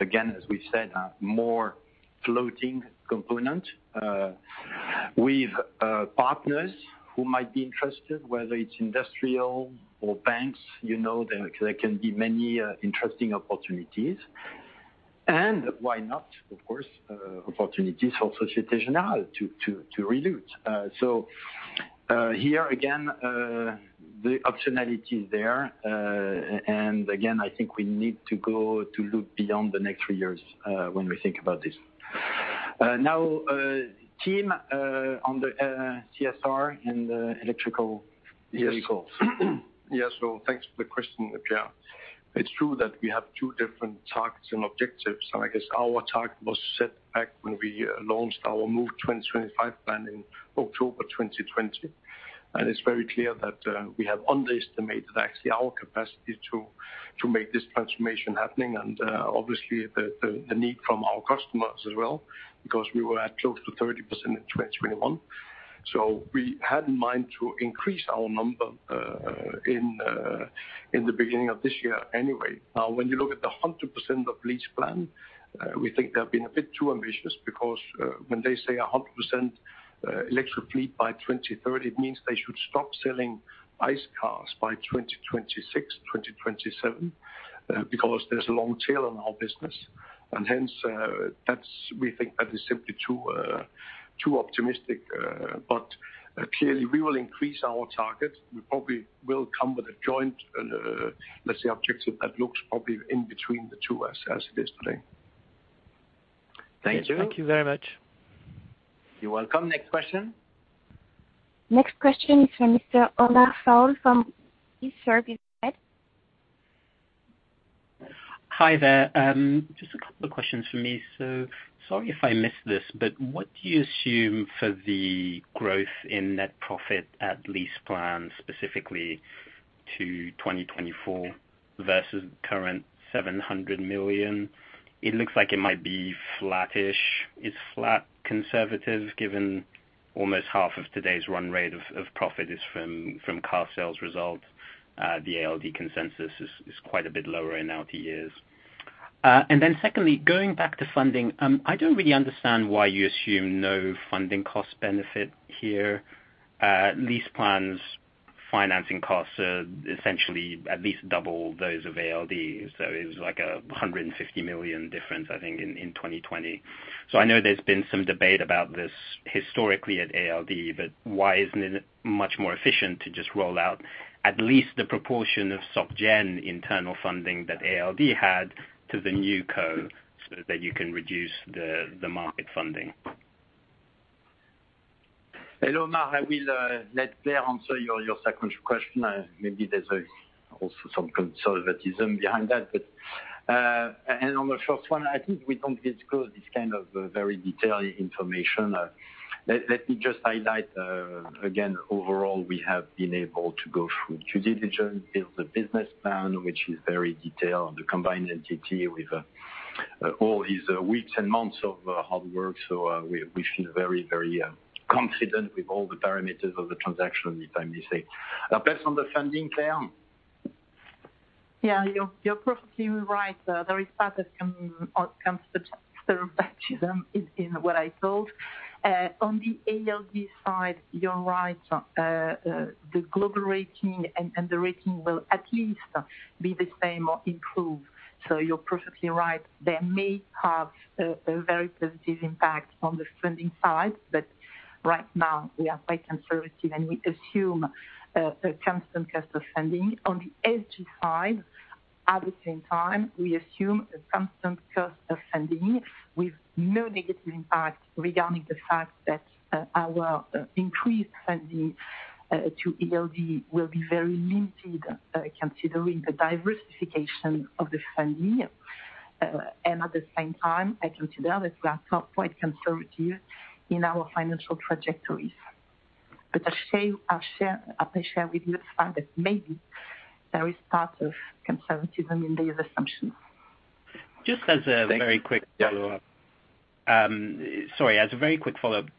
again, as we've said, a more floating component with partners who might be interested, whether it's industrial or banks, you know, there can be many interesting opportunities. Why not, of course, opportunities for Société Générale to dilute. Here again, the optionality is there. I think we need to look beyond the next three years, when we think about this. Now, Tim, on the CSR and electric vehicles. Yes. Well, thanks for the question, Pierre. It's true that we have two different targets and objectives, and I guess our target was set back when we launched our Move 2025 plan in October 2020. It's very clear that we have underestimated actually our capacity to make this transformation happening and obviously the need from our customers as well, because we were at close to 30% in 2021. We had in mind to increase our number in the beginning of this year anyway. Now, when you look at the 100% of LeasePlan, we think they've been a bit too ambitious because, when they say a 100% electric fleet by 2030, it means they should stop selling ICE cars by 2026, 2027, because there's a long tail on our business. Hence, we think that is simply too. Too optimistic, but clearly we will increase our target. We probably will come with a joint, let's say objective that looks probably in between the two as it is today. Thank you. Thank you very much. You're welcome. Next question. Next question is from Mr. Omar Fall from Barclays. Hi there. Just a couple of questions from me. Sorry if I missed this, but what do you assume for the growth in net profit at LeasePlan, specifically to 2024 versus current 700 million? It looks like it might be flattish. It's flat conservative, given almost half of today's run rate of profit is from car sales results. The ALD consensus is quite a bit lower in outer years. Secondly, going back to funding, I don't really understand why you assume no funding cost benefit here. LeasePlan's financing costs are essentially at least double those of ALD's. It was like a 150 million difference, I think in 2020. I know there's been some debate about this historically at ALD, but why isn't it much more efficient to just roll out at least the proportion of Soc Gen internal funding that ALD had to the new co so that you can reduce the market funding? Hello, Omar. I will let Claire answer your second question. Maybe there's also some conservatism behind that. On the first one, I think we don't disclose this kind of very detailed information. Let me just highlight again, overall, we have been able to go through due diligence, build a business plan, which is very detailed, the combined entity with all these weeks and months of hard work. We feel very confident with all the parameters of the transaction anytime you say. Based on the funding, Claire. Yeah, you're perfectly right. There is part that can circle back to them in what I thought. On the ALD side, you're right. The global rating and the rating will at least be the same or improve. So you're perfectly right. There may be a very positive impact on the funding side, but right now we are quite conservative, and we assume a constant cost of funding. On the SG side, at the same time, we assume a constant cost of funding with no negative impact regarding the fact that our increased funding to ALD will be very limited considering the diversification of the funding. At the same time, I consider that we are not quite conservative in our financial trajectories. I share with you the fact that maybe there is part of conservatism in these assumptions. Just as a very quick follow-up,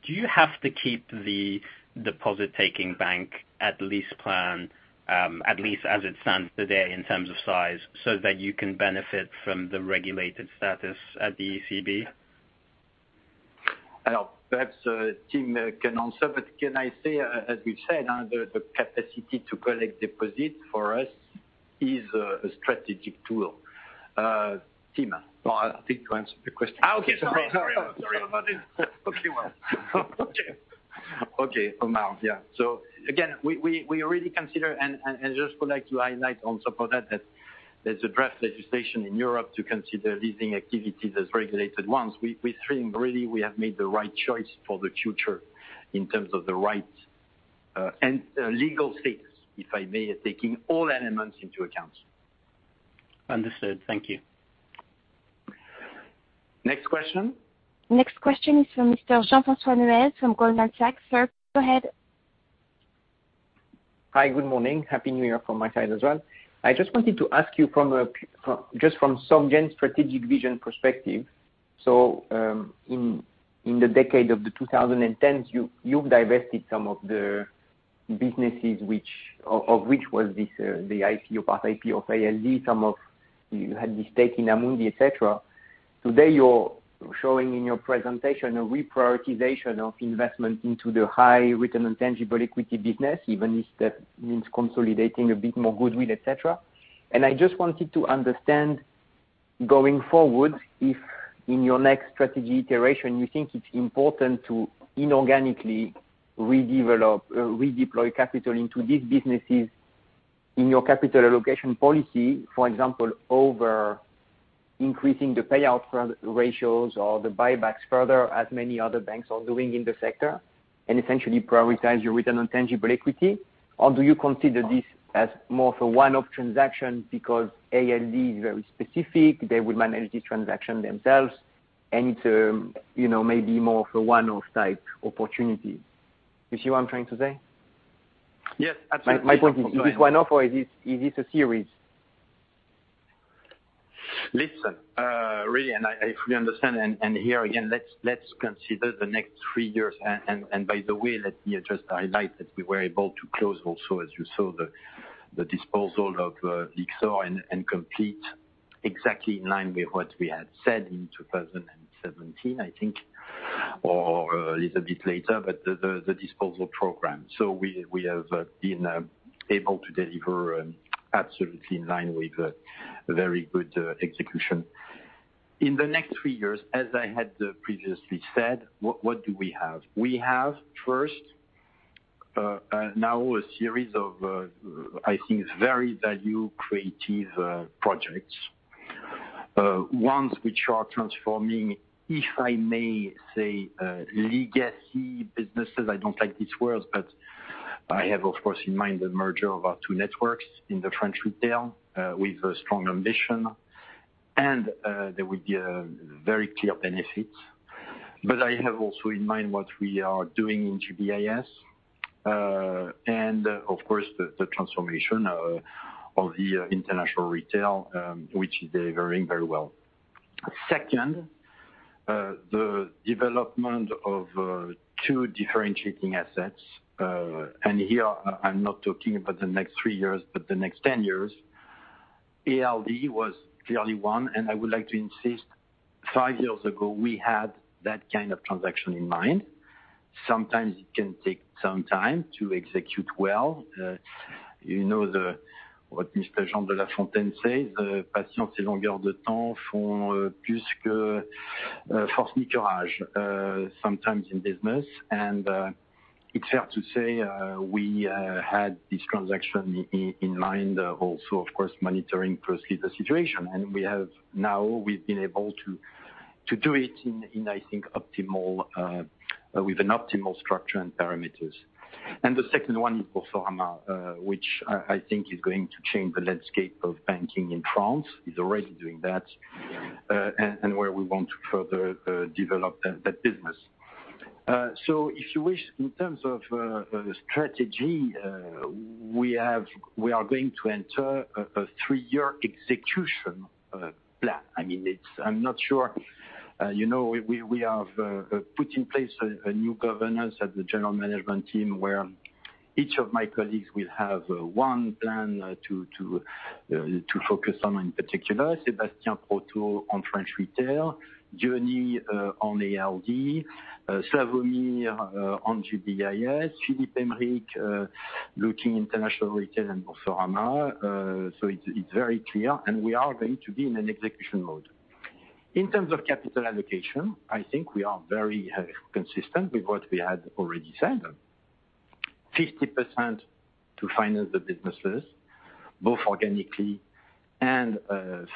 do you have to keep the deposit-taking bank at LeasePlan, at least as it stands today in terms of size, so that you can benefit from the regulated status at the ECB? Well, perhaps Tim can answer, but can I say, as we've said, the capacity to collect deposits for us is a strategic tool. Tim? Well, I think you answered the question. Omar, yeah. Again, we already consider and just would like to highlight on top of that there's a draft legislation in Europe to consider leasing activities as regulated ones. We think really we have made the right choice for the future in terms of the right and legal status, if I may, taking all elements into account. Understood. Thank you. Next question. Next question is from Mr. Jean-François Neuez from Goldman Sachs. Sir, go ahead. Hi, good morning. Happy New Year from my side as well. I just wanted to ask you just from some general strategic vision perspective. In the decade of the 2010s, you've divested some of the businesses which, of which was this, the IPO, part IPO of ALD, some of which you had this stake in Amundi, et cetera. Today, you're showing in your presentation a reprioritization of investment into the high return on tangible equity business, even if that means consolidating a bit more goodwill, et cetera. I just wanted to understand going forward, if in your next strategy iteration, you think it's important to inorganically redeploy capital into these businesses in your capital allocation policy, for example, over increasing the payout ratios or the buybacks further, as many other banks are doing in the sector, and essentially prioritize your return on tangible equity. Or do you consider this as more of a one-off transaction because ALD is very specific, they will manage this transaction themselves, and it, you know, may be more of a one-off type opportunity. You see what I'm trying to say? Yes, absolutely. My point is this one off or is this a series? Listen, really, I fully understand, here again, let's consider the next three years. By the way, let me just highlight that we were able to close also, as you saw, the disposal of Lyxor and complete exactly in line with what we had said in 2017, I think, or a little bit later, but the disposal program. We have been able to deliver absolutely in line with a very good execution. In the next three years, as I had previously said, what do we have? We have first, now a series of, I think very value creative projects. Ones which are transforming, if I may say, legacy businesses. I don't like this word, but I have, of course, in mind the merger of our two networks in the French retail, with a strong ambition, and, there will be a very clear benefit. I have also in mind what we are doing in GBIS. Of course, the transformation of the international retail, which is delivering very well. Second, the development of two differentiating assets. Here I'm not talking about the next three years, but the next ten years. ALD was clearly one, and I would like to insist five years ago we had that kind of transaction in mind. Sometimes it can take some time to execute well. You know what Mr. Jean-François Neuez say, sometimes in business. It's fair to say we had this transaction in mind also, of course, monitoring closely the situation. We have now been able to do it, I think, with an optimal structure and parameters. The second one is Boursorama, which I think is going to change the landscape of banking in France, is already doing that, and where we want to further develop that business. If you wish, in terms of strategy, we are going to enter a three-year execution plan. I mean, I'm not sure, you know, we have put in place a new governance at the general management team, where each of my colleagues will have one plan to focus on in particular. Sébastien Proto on French retail, Diony Lebot on ALD, Slawomir Krupa on GBIS, Philippe Aymerich looking international retail and Boursorama. It's very clear, and we are going to be in an execution mode. In terms of capital allocation, I think we are very consistent with what we had already said. 50% to finance the businesses, both organically and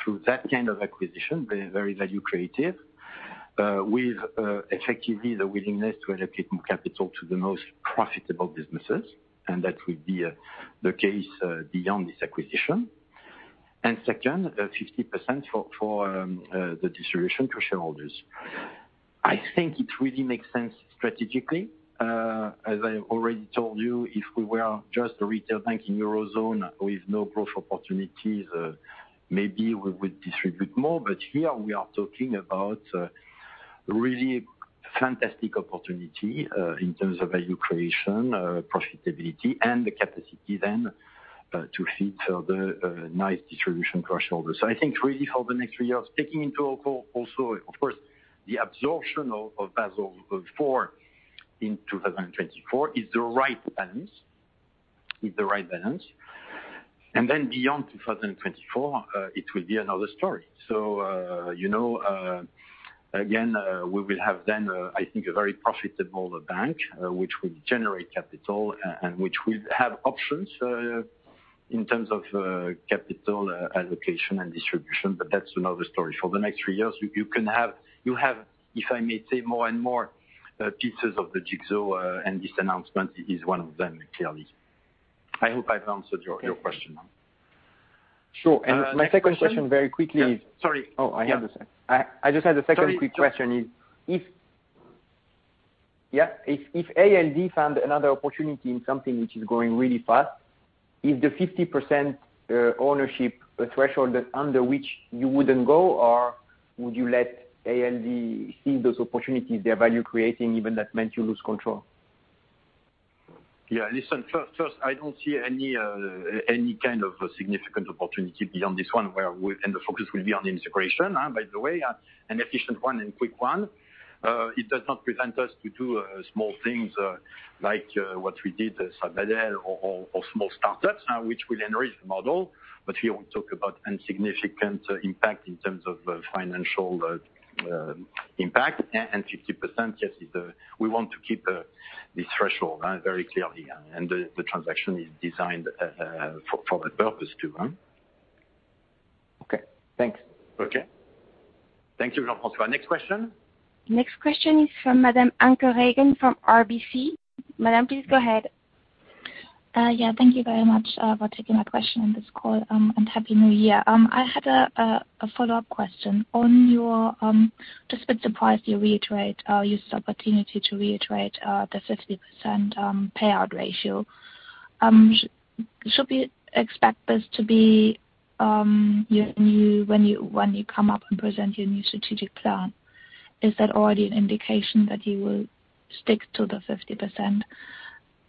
through that kind of acquisition, very value creative, with effectively the willingness to allocate more capital to the most profitable businesses, and that will be the case beyond this acquisition. Second, 50% for the distribution to shareholders. I think it really makes sense strategically. As I already told you, if we were just a retail bank in Eurozone with no growth opportunities, maybe we would distribute more. Here we are talking about really fantastic opportunity in terms of value creation, profitability and the capacity then to feed the nice distribution to our shareholders. I think really for the next three years, taking into account also, of course, the absorption of Basel IV in 2024 is the right balance. Then beyond 2024, it will be another story. You know, again, we will have then, I think a very profitable bank, which will generate capital and which will have options, in terms of capital allocation and distribution, but that's another story. For the next three years, you have, if I may say, more and more pieces of the jigsaw, and this announcement is one of them, clearly. I hope I've answered your question. Sure. My second question very quickly is- Sorry. Oh, I understand. I just had a second quick question: if ALD found another opportunity in something which is growing really fast, is the 50% ownership a threshold under which you wouldn't go, or would you let ALD seize those opportunities they're value creating, even if that meant you lose control? Yeah. Listen, first, I don't see any kind of significant opportunity beyond this one and the focus will be on the integration, by the way, an efficient one and quick one. It does not prevent us to do small things like what we did Sabadell or small startups which will enrich the model. Here we talk about insignificant impact in terms of financial impact. 50%, yes, we want to keep this threshold very clear here. The transaction is designed for that purpose too. Okay, thanks. Okay. Thank you, Jean-François. Next question. Next question is from Madame Anke Reingen from RBC. Madame, please go ahead. Yeah, thank you very much for taking my question on this call, and Happy New Year. I had a follow-up question. You used the opportunity to reiterate the 50% payout ratio. Should we expect this to be, when you come up and present your new strategic plan, an indication that you will stick to the 50%?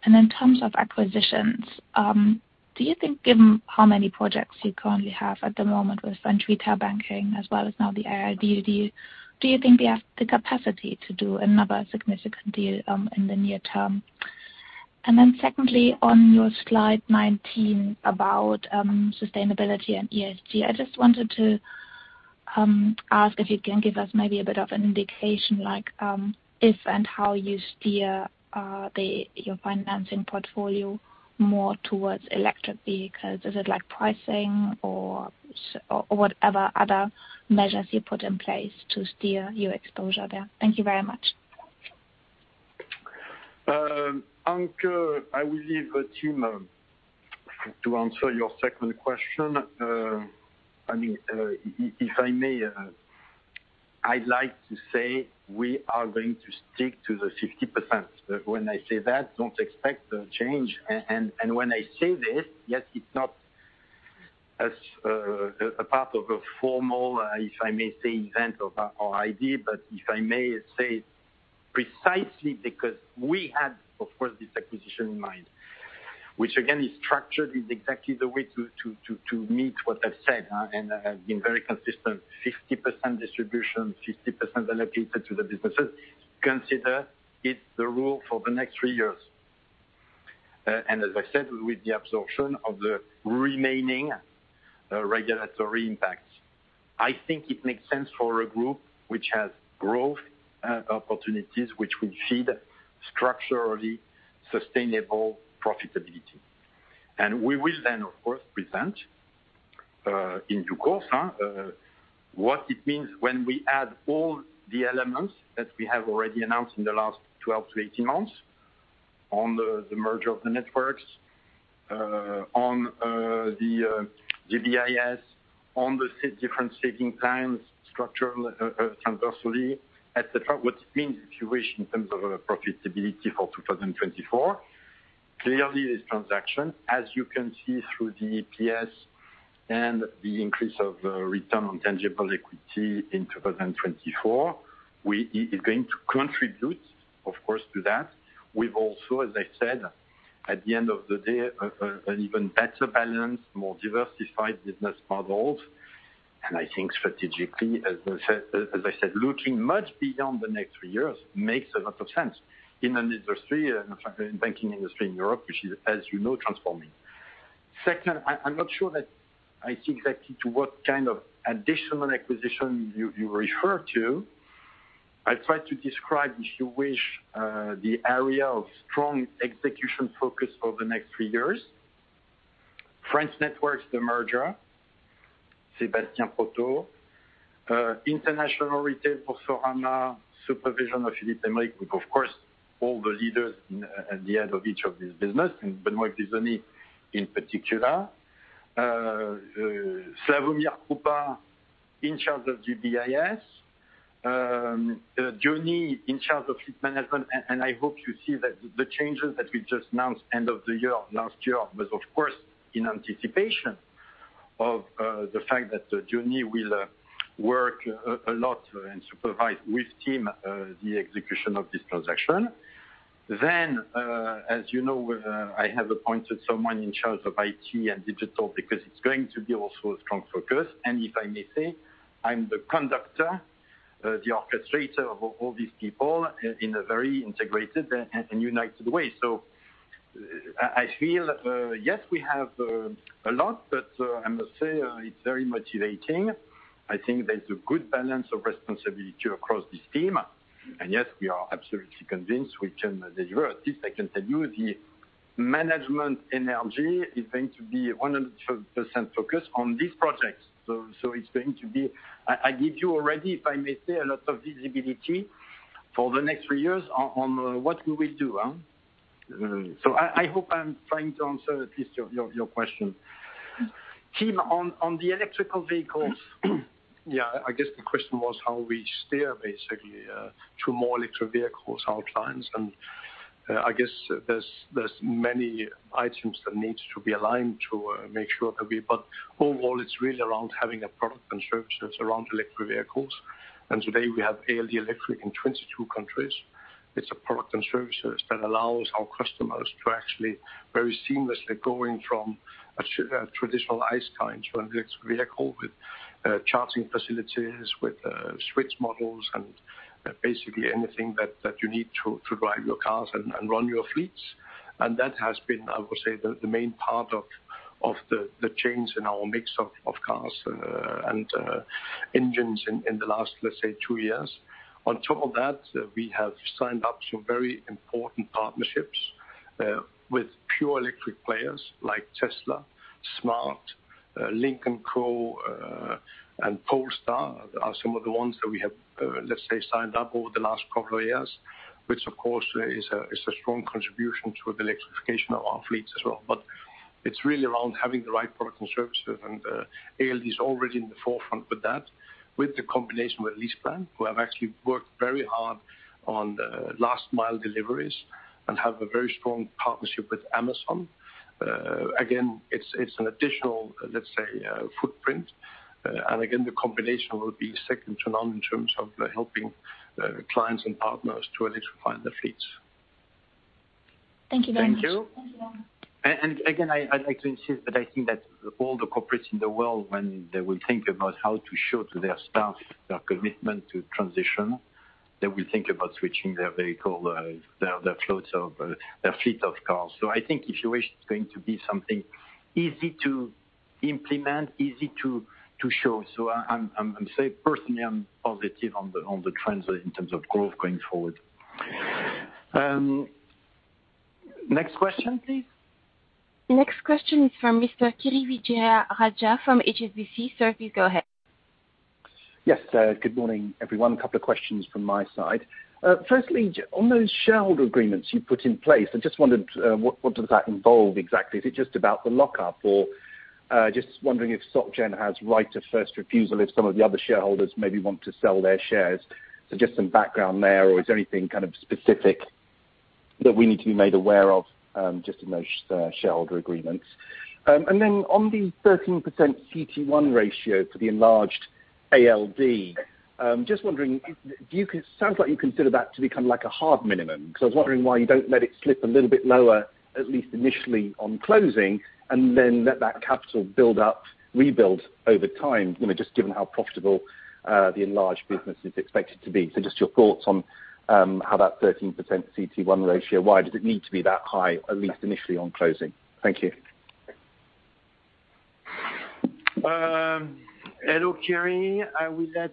In terms of acquisitions, do you think given how many projects you currently have at the moment with French retail banking as well as now the ALD deal, you have the capacity to do another significant deal in the near term? Secondly, on your slide 19 about sustainability and ESG, I just wanted to ask if you can give us maybe a bit of an indication like if and how you steer your financing portfolio more towards electric vehicles. Is it like pricing or whatever other measures you put in place to steer your exposure there? Thank you very much. Anke, I will leave Tim to answer your second question. I mean, if I may, I'd like to say we are going to stick to the 60%. When I say that, don't expect a change. When I say this, yes, it's not as a part of a formal, if I may say, event or idea. If I may say precisely because we had, of course, this acquisition in mind, which again is structured, is exactly the way to meet what I've said, huh? I've been very consistent, 60% distribution, 60% allocated to the businesses. Consider it the rule for the next three years. As I said, with the absorption of the remaining regulatory impacts. I think it makes sense for a group which has growth opportunities, which will feed structurally sustainable profitability. We will then, of course, present in due course what it means when we add all the elements that we have already announced in the last 12-18 months on the merger of the networks, on the GBIS, on the different saving times, structural transversally, et cetera, what it means, if you wish, in terms of profitability for 2024. Clearly, this transaction, as you can see through the EPS and the increase of return on tangible equity in 2024, it going to contribute, of course, to that. We've also, as I said, at the end of the day, an even better balance, more diversified business models. I think strategically, as I said, looking much beyond the next three years makes a lot of sense in the banking industry in Europe, which is, as you know, transforming. Second, I'm not sure that I see exactly what kind of additional acquisition you refer to. I try to describe, if you wish, the area of strong execution focus for the next three years. French networks, the merger, Sébastien Proto. International retail, also Anke. Supervision of Philippe Aymerich, with, of course, all the leaders at the end of each of these businesses, and Benoît Grisoni in particular. Slawomir Krupa in charge of GBIS. Diony Lebot in charge of fleet management. I hope you see that the changes that we just announced end of the year, last year, were of course in anticipation of the fact that Diony will work a lot and supervise with team the execution of this transaction. As you know, I have appointed someone in charge of IT and digital because it's going to be also a strong focus. If I may say, I'm the conductor, the orchestrator of all these people in a very integrated and united way. I feel, yes, we have a lot, but I must say, it's very motivating. I think there's a good balance of responsibility across this team. Yes, we are absolutely convinced we can deliver. I can tell you the management energy is going to be 100% focused on this project. It's going to be. I give you already, if I may say, a lot of visibility for the next three years on what we will do, huh? I hope I'm trying to answer at least your question, Tim, on the electric vehicles. Yeah. I guess the question was how we steer basically to more electric vehicles outlines. I guess there's many items that needs to be aligned to make sure that we... But overall, it's really around having a product and services around electric vehicles. Today we have ALD Electric in 22 countries. It's a product and services that allows our customers to actually very seamlessly going from a traditional ICE kind to an electric vehicle with charging facilities, with switch models and basically anything that you need to drive your cars and run your fleets. That has been, I would say, the main part of the change in our mix of cars and engines in the last, let's say, two years. On top of that, we have signed up some very important partnerships with pure electric players like Tesla, smart, Lynk & Co, and Polestar are some of the ones that we have, let's say, signed up over the last couple of years, which of course is a strong contribution to the electrification of our fleets as well. It's really around having the right product and services, and ALD is already in the forefront with that, with the combination with LeasePlan, who have actually worked very hard on last mile deliveries and have a very strong partnership with Amazon. Again, it's an additional, let's say, footprint. Again, the combination will be second to none in terms of helping clients and partners to electrify their fleets. Thank you very much. Thank you. Thank you. I'd like to insist that I think that all the corporates in the world, when they will think about how to show to their staff their commitment to transition that we think about switching their vehicle, their fleet of cars. I think if you wish, it's going to be something easy to implement, easy to show. I'm personally positive on the trends in terms of growth going forward. Next question, please. Next question is from Mr. Kiri Vijayarajah from HSBC. Sir, please go ahead. Yes, good morning, everyone. A couple of questions from my side. Firstly, on those shareholder agreements you put in place, I just wondered, what does that involve exactly? Is it just about the lockup or, just wondering if Soc Gen has right to first refusal if some of the other shareholders maybe want to sell their shares? Just some background there, or is there anything kind of specific that we need to be made aware of, just in those, shareholder agreements? On the 13% CET1 ratio for the enlarged ALD, just wondering if sounds like you consider that to be kind of like a hard minimum. 'Cause I was wondering why you don't let it slip a little bit lower, at least initially on closing, and then let that capital build up, rebuild over time, you know, just given how profitable, the enlarged business is expected to be. Just your thoughts on how that 13% CET1 ratio, why does it need to be that high, at least initially on closing? Thank you. Hello, Kiri. I will let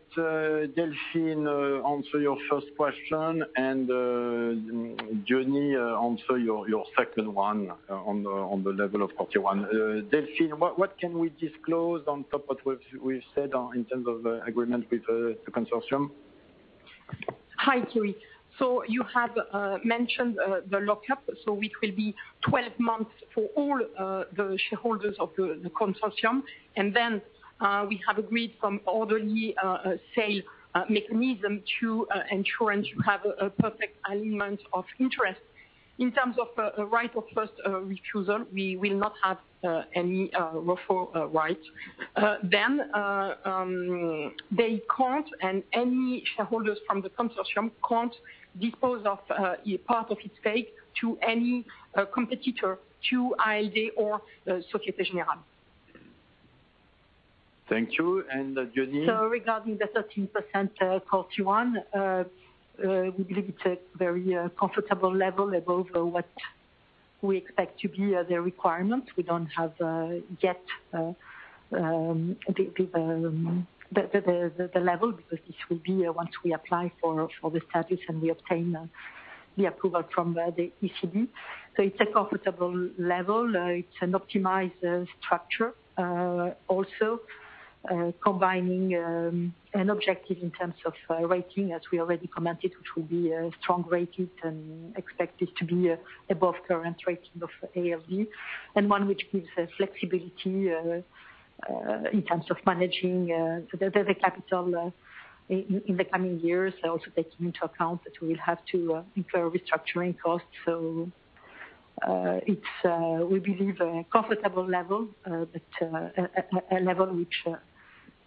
Delphine answer your first question and Diony Lebot answer your second one on the level of CET1. Delphine, what can we disclose on top of what we've said in terms of agreement with the consortium? Hi, Kiri. You have mentioned the lockup. It will be 12 months for all the shareholders of the consortium. We have agreed some orderly sale mechanism to ensure and to have a perfect alignment of interest. In terms of right of first refusal, we will not have any refusal right. Any shareholders from the consortium can't dispose of part of its stake to any competitor to ALD or Société Générale. Thank you. Diony? Regarding the 13% CET1, we believe it's a very comfortable level above what we expect to be the requirement. We don't have yet the level, because this will be once we apply for the status and we obtain the approval from the ECB. It's a comfortable level. It's an optimized structure also combining an objective in terms of rating, as we already commented, which will be strong rated and expected to be above current rating of ALD, and one which gives us flexibility in terms of managing the capital in the coming years, also taking into account that we will have to incur restructuring costs. It's, we believe, a comfortable level, but a level which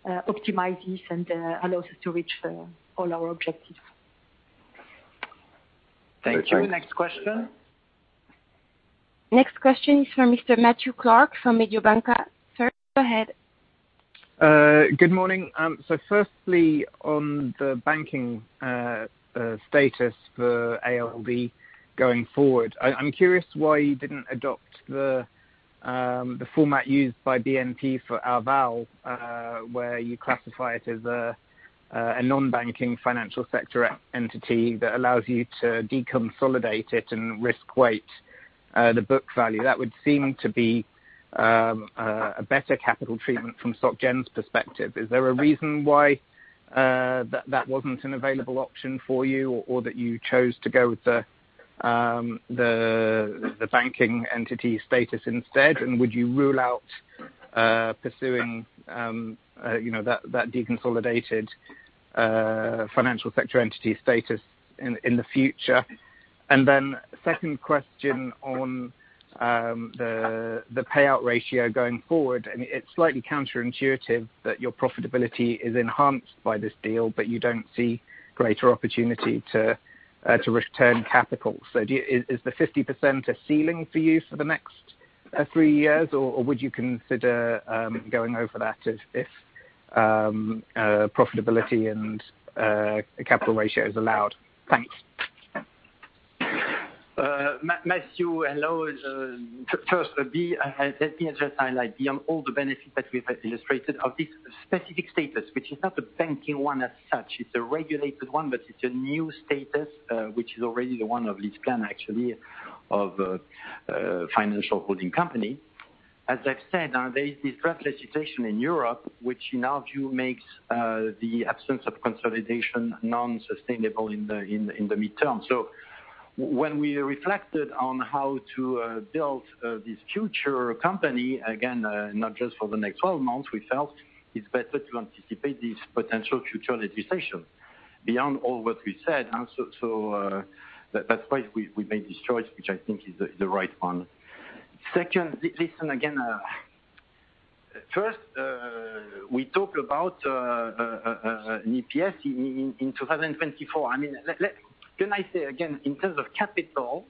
optimizes and allows us to reach all our objectives. Thank you. Next question. Next question is from Mr. Matthew Clark from Mediobanca. Sir, go ahead. Good morning. Firstly on the banking status for ALD going forward. I'm curious why you didn't adopt the format used by BNP for Arval, where you classify it as a non-banking financial sector entity that allows you to deconsolidate it and risk weight the book value. That would seem to be a better capital treatment from Soc Gen's perspective. Is there a reason why that wasn't an available option for you or that you chose to go with the banking entity status instead? Would you rule out pursuing you know that deconsolidated financial sector entity status in the future? Then second question on the payout ratio going forward. I mean, it's slightly counterintuitive that your profitability is enhanced by this deal, but you don't see greater opportunity to return capital. So, is the 50% a ceiling for you for the next three years, or would you consider going over that if profitability and capital ratio is allowed? Thanks. Matthew, hello. First, let me just highlight beyond all the benefits that we have illustrated of this specific status, which is not a banking one as such. It's a regulated one, but it's a new status, which is already the one of LeasePlan actually of financial holding company. As I've said, there is this fresh legislation in Europe, which in our view makes the absence of consolidation non-sustainable in the midterm. When we reflected on how to build this future company, again, not just for the next 12 months, we felt it's better to anticipate this potential future legislation. Beyond all what we said, that's why we made this choice, which I think is the right one. Second, listen again. First, we talked about an EPS in 2024. I mean, can I say again, in terms of capital,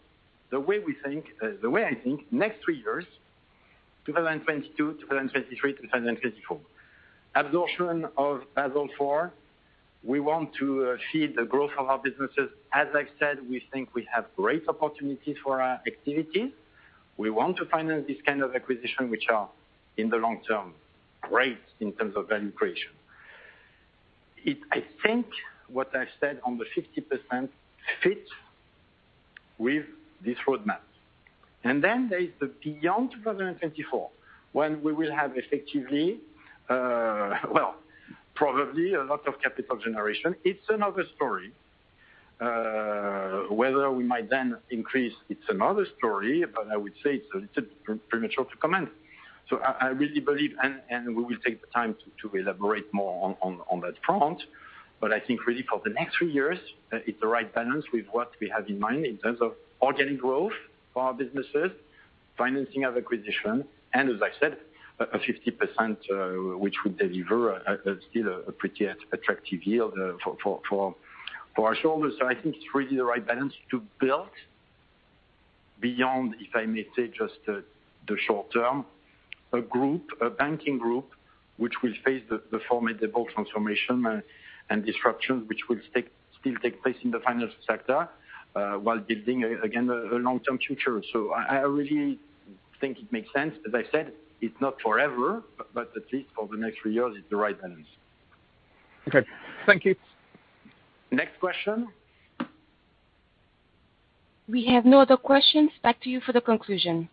the way we think, the way I think next three years 2022, 2023, 2024. Absorption of Basel IV, we want to feed the growth of our businesses. As I've said, we think we have great opportunities for our activities. We want to finance this kind of acquisition, which are, in the long term, great in terms of value creation. I think what I said on the 50% fits with this roadmap. There is the beyond 2024 when we will have effectively, probably a lot of capital generation. It's another story. Whether we might then increase, it's another story, but I would say it's a little premature to comment. I really believe and we will take the time to elaborate more on that front. I think really for the next three years, it's the right balance with what we have in mind in terms of organic growth for our businesses, financing of acquisition, and as I said, a 50%, which would deliver a still a pretty attractive yield for our shareholders. I think it's really the right balance to build beyond, if I may say, just the short term. A group, a banking group, which will face the formidable transformation and disruption, which will take place in the financial sector, while building again a long-term future. I really think it makes sense. As I said, it's not forever, but at least for the next three years, it's the right balance. Okay. Thank you. Next question. We have no other questions. Back to you for the conclusion.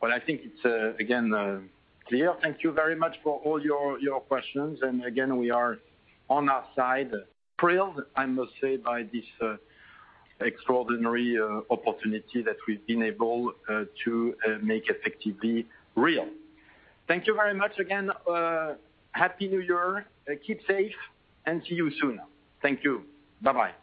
Well, I think it's again clear. Thank you very much for all your questions. Again, we are on our side thrilled, I must say, by this extraordinary opportunity that we've been able to make effectively real. Thank you very much again. Happy New Year. Keep safe, and see you soon. Thank you. Bye-bye.